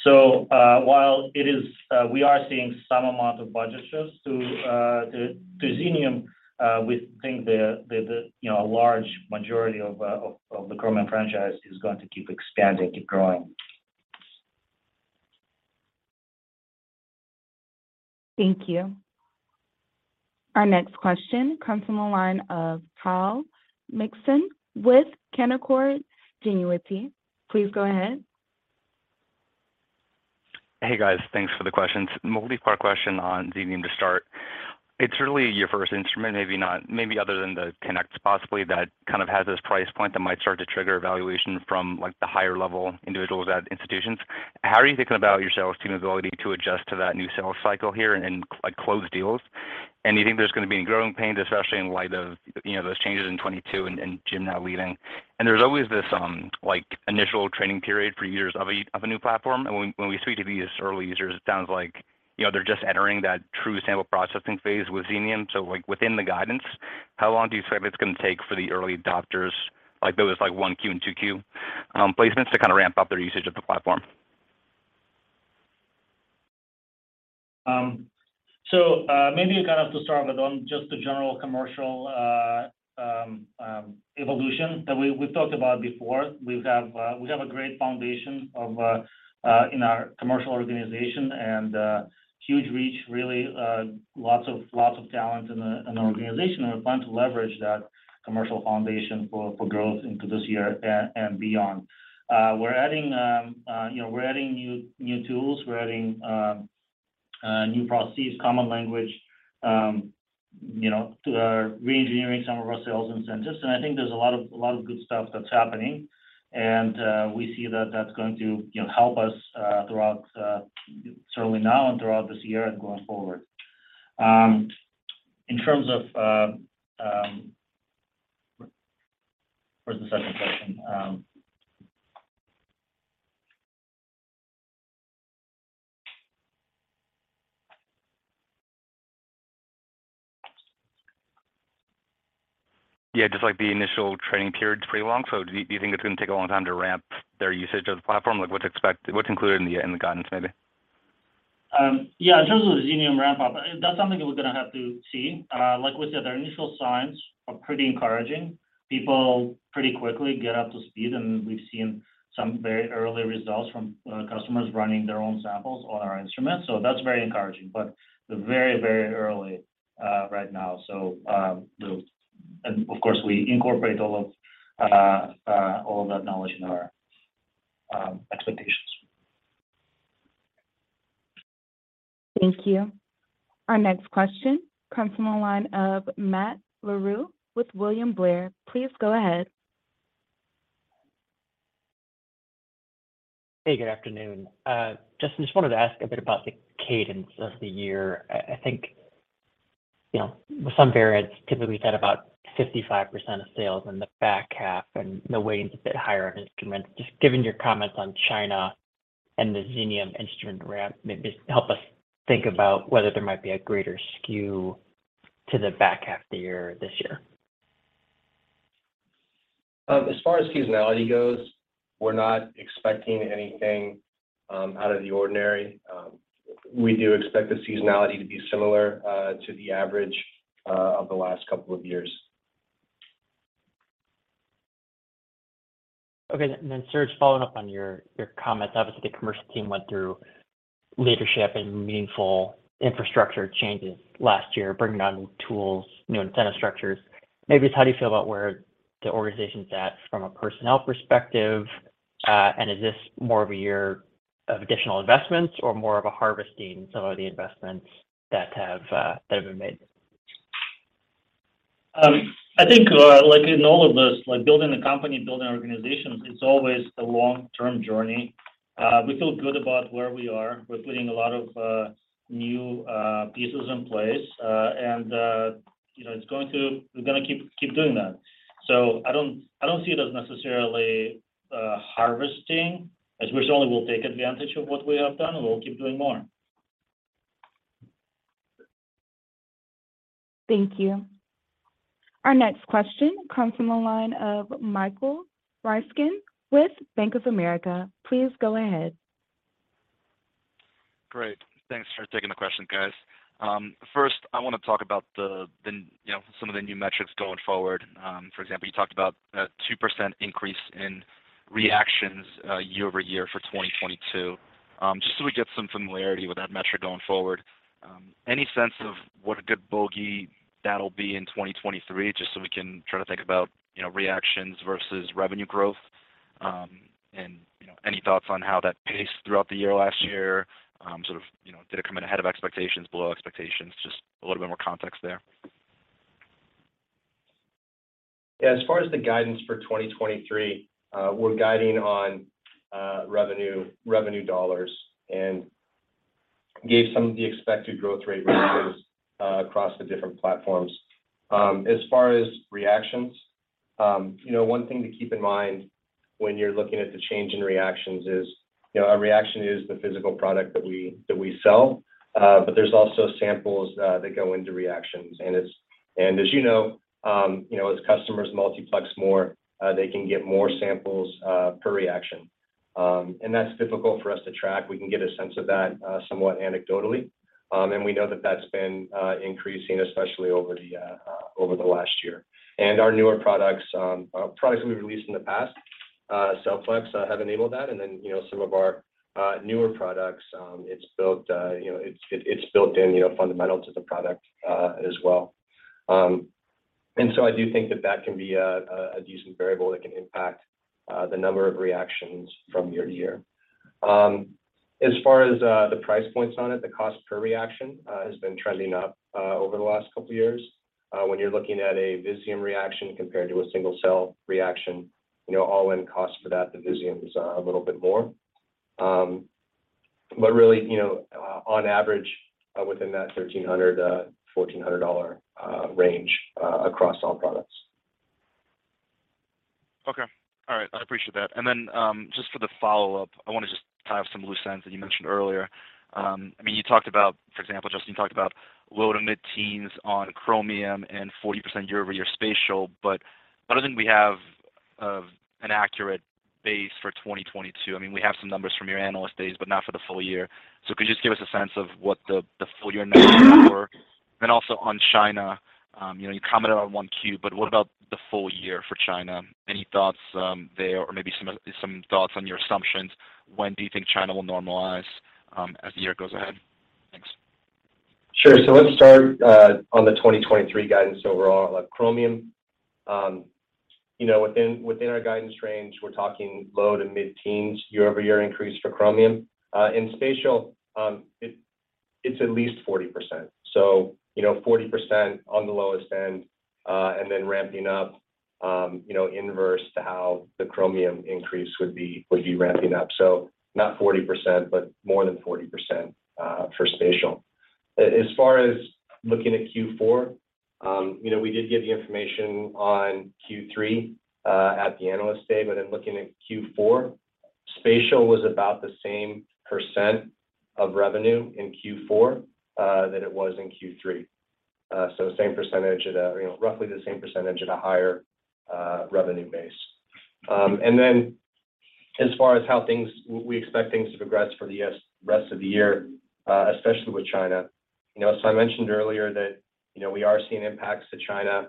While it is, we are seeing some amount of budget shifts to Xenium, we think the, you know, a large majority of the Chromium franchise is going to keep expanding, keep growing. Thank you. Our next question comes from the line of Kyle Mikson with Canaccord Genuity. Please go ahead. Hey, guys. Thanks for the questions. Multi-part question on Xenium to start. It's really your first instrument, maybe other than the Connect possibly, that kind of has this price point that might start to trigger evaluation from, like, the higher level individuals at institutions. How are you thinking about your sales team's ability to adjust to that new sales cycle here and, like, close deals? Do you think there's gonna be any growing pains, especially in light of, you know, those changes in 2022 and Jim now leaving? There's always this, like, initial training period for users of a, of a new platform, and when we speak to these early users, it sounds like, you know, they're just entering that true sample processing phase with Xenium. Like, within the guidance, how long do you expect it's gonna take for the early adopters, like those, like, 1Q and 2Q placements to kind of ramp up their usage of the platform? Maybe kind of to start with on just the general commercial evolution that we've talked about before. We have a great foundation in our commercial organization and huge reach really, lots of talent in the organization, and we plan to leverage that commercial foundation for growth into this year and beyond. We're adding, you know, we're adding new tools. We're adding new processes, common language, you know, to our reengineering some of our sales incentives, and I think there's a lot of good stuff that's happening, and we see that that's going to, you know, help us throughout, certainly now and throughout this year and going forward. In terms of, what's the second question? Just like the initial training period's pretty long. Do you think it's gonna take a long time to ramp their usage of the platform? Like, what's included in the, in the guidance maybe? Yeah, in terms of the Xenium ramp up, that's something that we're gonna have to see. Like we said, their initial signs are pretty encouraging. People pretty quickly get up to speed, and we've seen some very early results from customers running their own samples on our instruments, so that's very encouraging. We're very, very early right now, so of course, we incorporate all of that knowledge in our expectations. Thank you. Our next question comes from the line of Matt Larew with William Blair. Please go ahead. Hey, good afternoon. Justin, just wanted to ask a bit about the cadence of the year. I think, you know, some variants typically said about 55% of sales in the back half, and the waiting is a bit higher on instruments. Just given your comments on China and the Xenium instrument ramp, maybe just help us think about whether there might be a greater skew to the back half of the year this year? As far as seasonality goes, we're not expecting anything out of the ordinary. We do expect the seasonality to be similar to the average of the last couple of years. Serge, following up on your comments. Obviously, the commercial team went through leadership and meaningful infrastructure changes last year, bringing on tools, new incentive structures. Maybe it's how do you feel about where the organization's at from a personnel perspective, and is this more of a year of additional investments or more of a harvesting some of the investments that have been made? I think, like in all of this, like building a company, building organizations, it's always a long-term journey. We feel good about where we are. We're putting a lot of new pieces in place, and, you know, we're gonna keep doing that. I don't see it as necessarily harvesting. I suppose only we'll take advantage of what we have done, and we'll keep doing more. Thank you. Our next question comes from the line of Michael Ryskin with Bank of America. Please go ahead. Great. Thanks for taking the question, guys. First I wanna talk about the, you know, some of the new metrics going forward. For example, you talked about a 2% increase in reactions year-over-year for 2022. Just so we get some familiarity with that metric going forward, any sense of what a good bogey that'll be in 2023 just so we can try to think about, you know, reactions versus revenue growth? You know, any thoughts on how that paced throughout the year last year, sort of, you know, did it come in ahead of expectations, below expectations? Just a little bit more context there. Yeah. As far as the guidance for 2023, we're guiding on revenue dollars and gave some of the expected growth rate ranges across the different platforms. As far as reactions, you know, one thing to keep in mind when you're looking at the change in reactions is, you know, a reaction is the physical product that we sell, but there's also samples that go into reactions. As you know, you know, as customers multiplex more, they can get more samples per reaction. That's difficult for us to track. We can get a sense of that somewhat anecdotally. We know that that's been increasing, especially over the last year. Our newer products we've released in the past, Flex, have enabled that. You know, some of our newer products, it's built, you know, it's built in, you know, fundamental to the product as well. I do think that that can be a decent variable that can impact the number of reactions from year to year. As far as the price points on it, the cost per reaction has been trending up over the last couple of years. When you're looking at a Visium reaction compared to a single-cell reaction, you know, all-in cost for that, the Visium is a little bit more. Really, you know, on average, within that $1,300-$1,400 range across all products. Okay. All right. I appreciate that. Just for the follow-up, I wanna just tie up some loose ends that you mentioned earlier. I mean, you talked about, for example, Justin, you talked about low to mid-teens on Chromium and 40% year-over-year Spatial, but I don't think we have an accurate base for 2022. I mean, we have some numbers from your Analyst Days, but not for the full year. Could you just give us a sense of what the full year numbers were? On China, you know, you commented on 1Q, but what about the full year for China? Any thoughts there? Some thoughts on your assumptions, when do you think China will normalize as the year goes ahead? Thanks. Sure. Let's start on the 2023 guidance overall on Chromium. You know, within our guidance range, we're talking low to mid-teens year-over-year increase for Chromium. In spatial, it's at least 40%, so you know, 40% on the lowest end, and then ramping up. You know, inverse to how the Chromium increase would be ramping up. Not 40%, but more than 40%, for spatial. As far as looking at Q4, you know, we did give the information on Q3 at the Analyst Day, but in looking at Q4, spatial was about the same % of revenue in Q4 than it was in Q3. Same percentage at a You know, roughly the same percentage at a higher revenue base. As far as how we expect things to progress for the rest of the year, especially with China. You know, I mentioned earlier that, you know, we are seeing impacts to China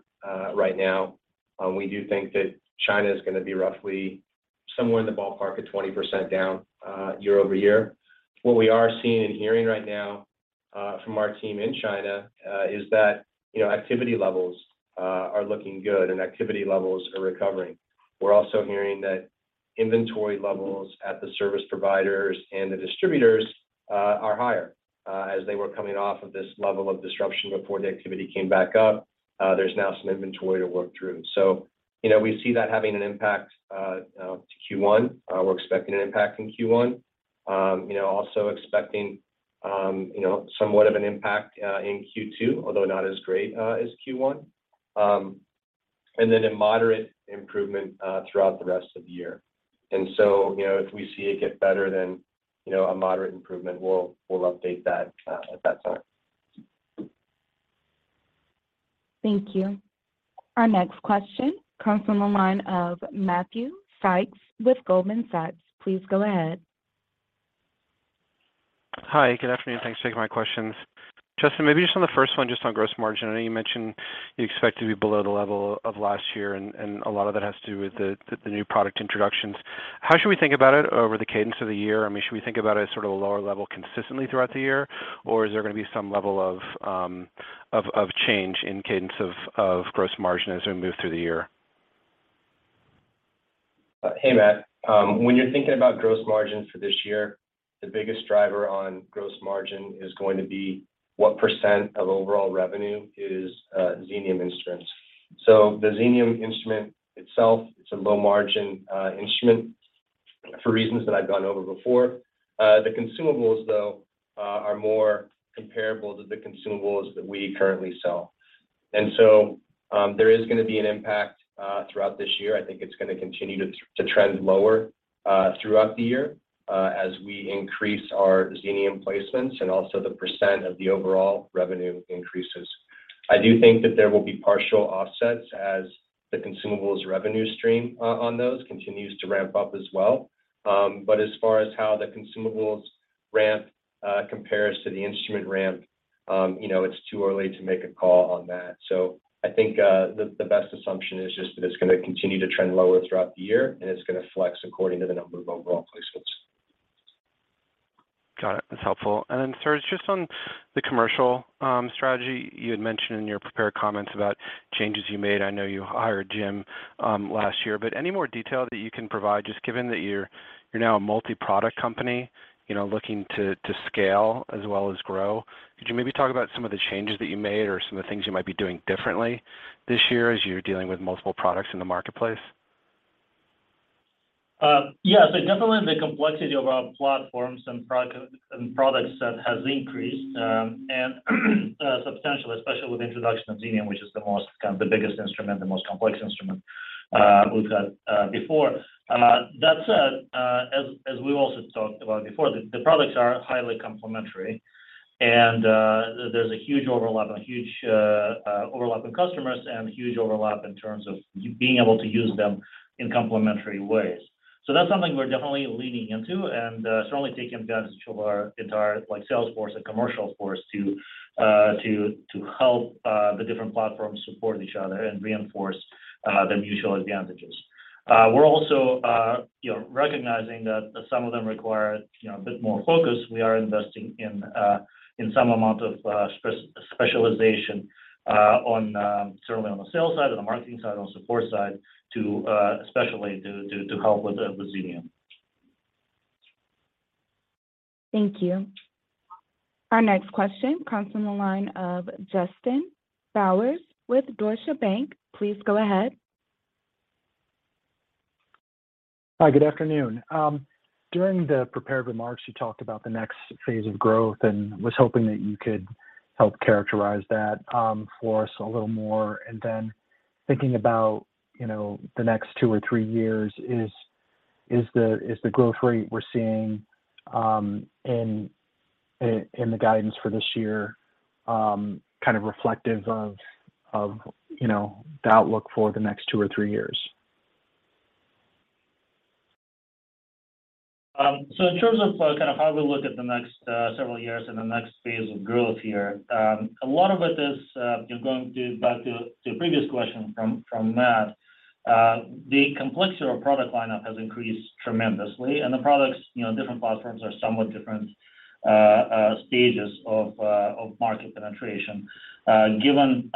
right now. We do think that China is gonna be roughly somewhere in the ballpark of 20% down year-over-year. What we are seeing and hearing right now from our team in China is that, you know, activity levels are looking good and activity levels are recovering. We're also hearing that inventory levels at the service providers and the distributors are higher as they were coming off of this level of disruption before the activity came back up. There's now some inventory to work through. You know, we see that having an impact to Q1. We're expecting an impact in Q1. You know, also expecting, you know, somewhat of an impact in Q2, although not as great, as Q1. Then a moderate improvement throughout the rest of the year. You know, if we see it get better then, you know, a moderate improvement, we'll update that, at that time. Thank you. Our next question comes from the line of Matthew Sykes with Goldman Sachs. Please go ahead. Hi, good afternoon. Thanks for taking my questions. Justin, maybe just on the first one, just on gross margin. I know you mentioned you expect to be below the level of last year and a lot of that has to do with the new product introductions. How should we think about it over the cadence of the year? I mean, should we think about it as sort of a lower level consistently throughout the year, or is there going to be some level of change in cadence of gross margin as we move through the year? Hey, Matt. When you're thinking about gross margin for this year, the biggest driver on gross margin is going to be what % of overall revenue is Xenium instruments. The Xenium instrument itself, it's a low margin instrument for reasons that I've gone over before. The consumables, though, are more comparable to the consumables that we currently sell. There is gonna be an impact throughout this year. I think it's gonna continue to trend lower throughout the year as we increase our Xenium placements and also the % of the overall revenue increases. I do think that there will be partial offsets as the consumables revenue stream on those continues to ramp up as well. As far as how the consumables ramp compares to the instrument ramp, you know, it's too early to make a call on that. I think, the best assumption is just that it's gonna continue to trend lower throughout the year, and it's gonna flex according to the number of overall placements. Got it. That's helpful. Serge, just on the commercial strategy. You had mentioned in your prepared comments about changes you made. I know you hired Jim last year, but any more detail that you can provide, just given that you're now a multi-product company, you know, looking to scale as well as grow. Could you maybe talk about some of the changes that you made or some of the things you might be doing differently this year as you're dealing with multiple products in the marketplace? Yeah. Definitely the complexity of our platforms and products set has increased, and substantially, especially with the introduction of Xenium, which is the most kind of the biggest instrument, the most complex instrument we've had before. That said, as we also talked about before, the products are highly complementary and there's a huge overlap, a huge overlap in customers and huge overlap in terms of you being able to use them in complementary ways. That's something we're definitely leaning into and certainly taking advantage of our entire, like, sales force and commercial force to help the different platforms support each other and reinforce the mutual advantages. We're also, you know, recognizing that some of them require, you know, a bit more focus. We are investing in some amount of specialization on, certainly on the sales side, on the marketing side, on the support side to especially to help with the Xenium. Thank you. Our next question comes from the line of Justin Bowers with Deutsche Bank. Please go ahead. Hi, good afternoon. During the prepared remarks, you talked about the next phase of growth and was hoping that you could help characterize that, for us a little more. Thinking about, you know, the next two or three years, is the growth rate we're seeing, in the guidance for this year, kind of reflective of, you know, the outlook for the next two or three years? In terms of kind of how we look at the next several years and the next phase of growth here, a lot of it is going back to the previous question from Matt. The complexity of our product lineup has increased tremendously, the products, you know, different platforms are somewhat different stages of market penetration. Given,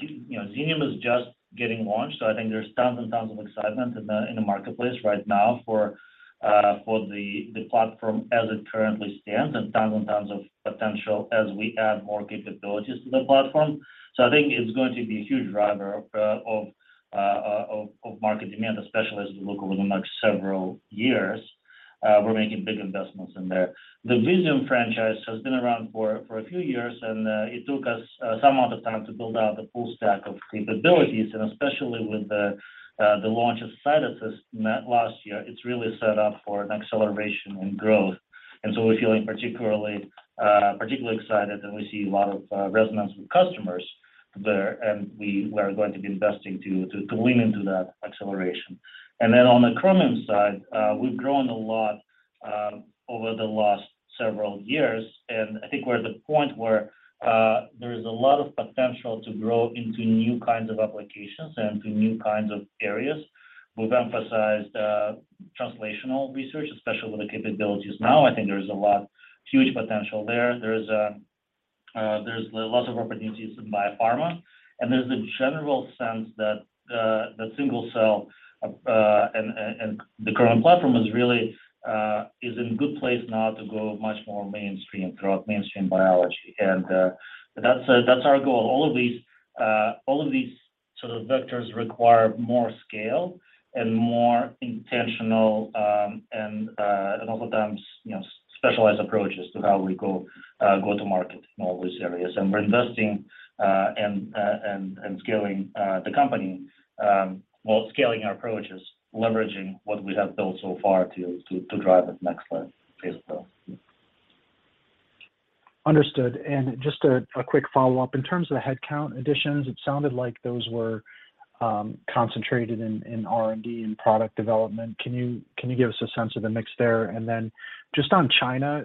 you know, Xenium is just getting launched, I think there's tons and tons of excitement in the marketplace right now for the platform as it currently stands and tons and tons of potential as we add more capabilities to the platform. I think it's going to be a huge driver of market demand, especially as we look over the next several years. We're making big investments in there. The Visium franchise has been around for a few years and it took us some of the time to build out the full stack of capabilities. Especially with the launch of CytAssist met last year, it's really set up for an acceleration in growth. So we're feeling particularly excited, and we see a lot of resonance with customers there, and we are going to be investing to lean into that acceleration. Then on the Chromium side, we've grown a lot over the last several years. I think we're at the point where there is a lot of potential to grow into new kinds of applications and to new kinds of areas. We've emphasized translational research, especially with the capabilities now. I think there's a lot huge potential there. There's lots of opportunities in biopharma. There's a general sense that the single cell and the Chromium platform is really in a good place now to go much more mainstream throughout mainstream biology. That's our goal. All of these sort of vectors require more scale and more intentional and oftentimes, you know, specialized approaches to how we go to market in all these areas. We're investing and scaling the company while scaling our approaches leveraging what we have built so far to drive it next level as well. Understood. Just a quick follow-up. In terms of the headcount additions, it sounded like those were concentrated in R&D and product development. Can you give us a sense of the mix there? Then just on China,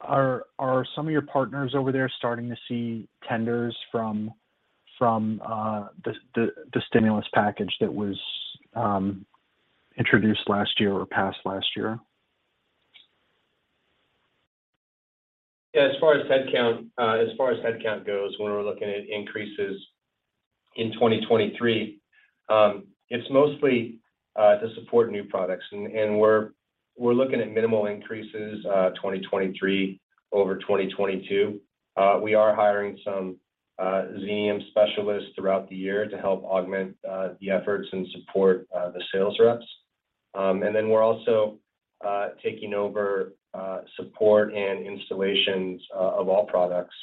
are some of your partners over there starting to see tenders from the stimulus package that was introduced last year or passed last year? As far as headcount goes, when we're looking at increases in 2023, it's mostly to support new products. We're looking at minimal increases, 2023 over 2022. We are hiring some Xenium specialists throughout the year to help augment the efforts and support the sales reps. We're also taking over support and installations of all products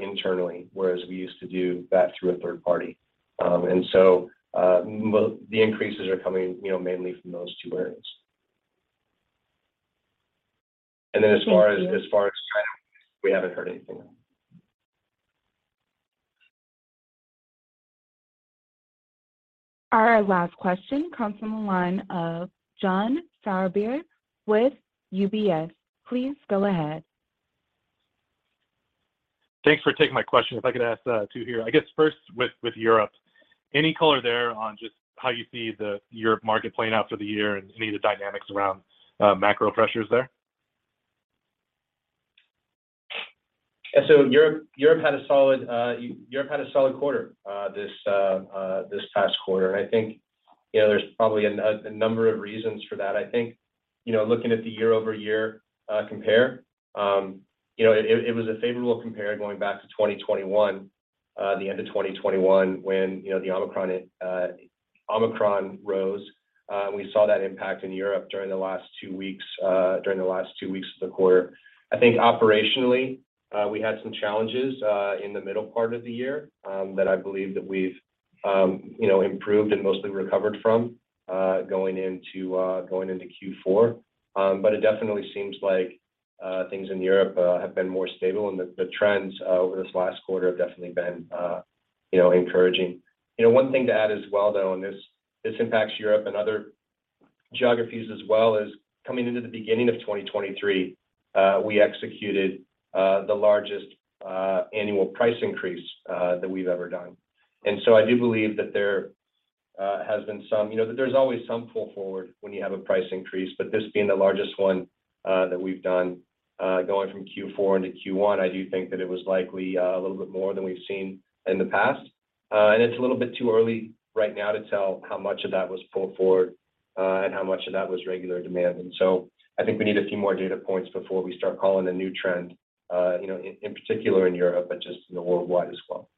internally, whereas we used to do that through a third party. The increases are coming, you know, mainly from those two areas. Thank you. As far as China, we haven't heard anything. Our last question comes from the line of John Sourbeer with UBS. Please go ahead. Thanks for taking my question. If I could ask two here. I guess first with Europe. Any color there on just how you see the Europe market playing out for the year and any of the dynamics around macro pressures there? Europe had a solid quarter, this past quarter. I think, you know, there's probably a number of reasons for that. I think, you know, looking at the year-over-year compare, you know, it was a favorable compare going back to 2021, the end of 2021 when, you know, the Omicron rose. We saw that impact in Europe during the last two weeks of the quarter. I think operationally, we had some challenges in the middle part of the year that I believe that we've, you know, improved and mostly recovered from, going into Q4. It definitely seems like things in Europe have been more stable, and the trends over this last quarter have definitely been, you know, encouraging. You know, one thing to add as well, though, and this impacts Europe and other geographies as well, is coming into the beginning of 2023, we executed the largest annual price increase that we've ever done. I do believe that there has been some. You know, there's always some pull forward when you have a price increase, but this being the largest one that we've done, going from Q4 into Q1, I do think that it was likely a little bit more than we've seen in the past. It's a little bit too early right now to tell how much of that was pulled forward, and how much of that was regular demand. I think we need a few more data points before we start calling a new trend, you know, in particular in Europe, but just worldwide as well.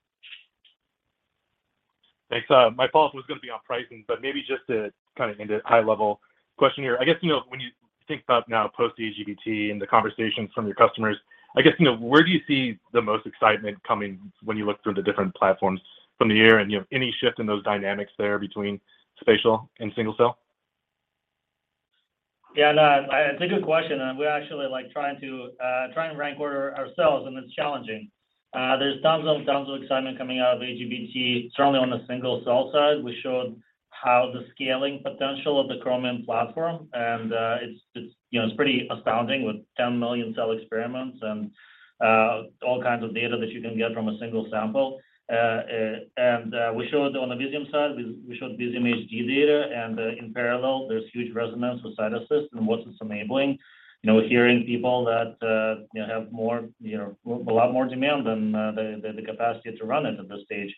Thanks. My follow-up was gonna be on pricing, but maybe just to kind of end it, high-level question here. I guess, you know, when you think about now post-AGBT and the conversations from your customers, I guess, you know, where do you see the most excitement coming when you look through the different platforms from the year? You know, any shift in those dynamics there between spatial and single cell? Yeah, no, it's a good question, we're actually like trying to rank order ourselves, it's challenging. There's tons and tons of excitement coming out of the AGBT, strongly on the single cell side. We showed how the scaling potential of the Chromium platform, it's, you know, it's pretty astounding with 10 million cell experiments, all kinds of data that you can get from a single sample. We showed on the Visium side, we showed Visium HD data, in parallel, there's huge resonance with CytAssist and what it's enabling. You know, hearing people that, you know, have more, you know, a lot more demand than the capacity to run it at this stage.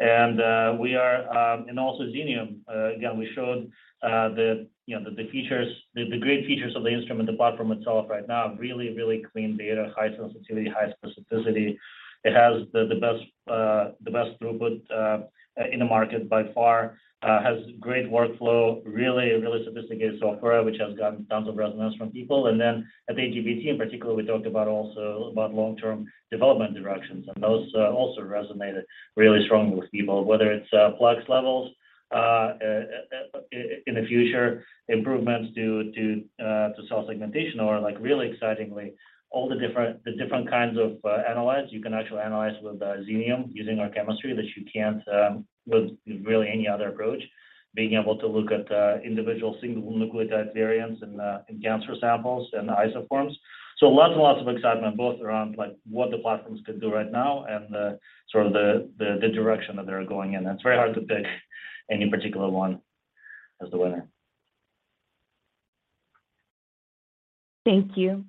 We are, and also Xenium, again, we showed, you know, the features, the great features of the instrument, the platform itself right now, really clean data, high sensitivity, high specificity. It has the best throughput in the market by far. Has great workflow, really sophisticated software which has gotten tons of resonance from people. Then at the AGBT in particular, we talked about also about long-term development directions, and those also resonated really strongly with people, whether it's Flex levels in the future, improvements to cell segmentation or like really excitingly, all the different kinds of analyze. You can actually analyze with Xenium using our chemistry that you can't with really any other approach. Being able to look at, individual single nucleotide variants in cancer samples and isoforms. Lots and lots of excitement both around like what the platforms could do right now and, sort of the, the direction that they're going in. It's very hard to pick any particular one as the winner. Thank you.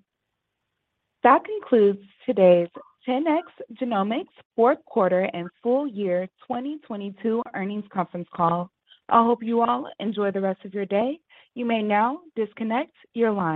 That concludes today's 10x Genomics fourth quarter and full year 2022 earnings conference call. I hope you all enjoy the rest of your day. You may now disconnect your line.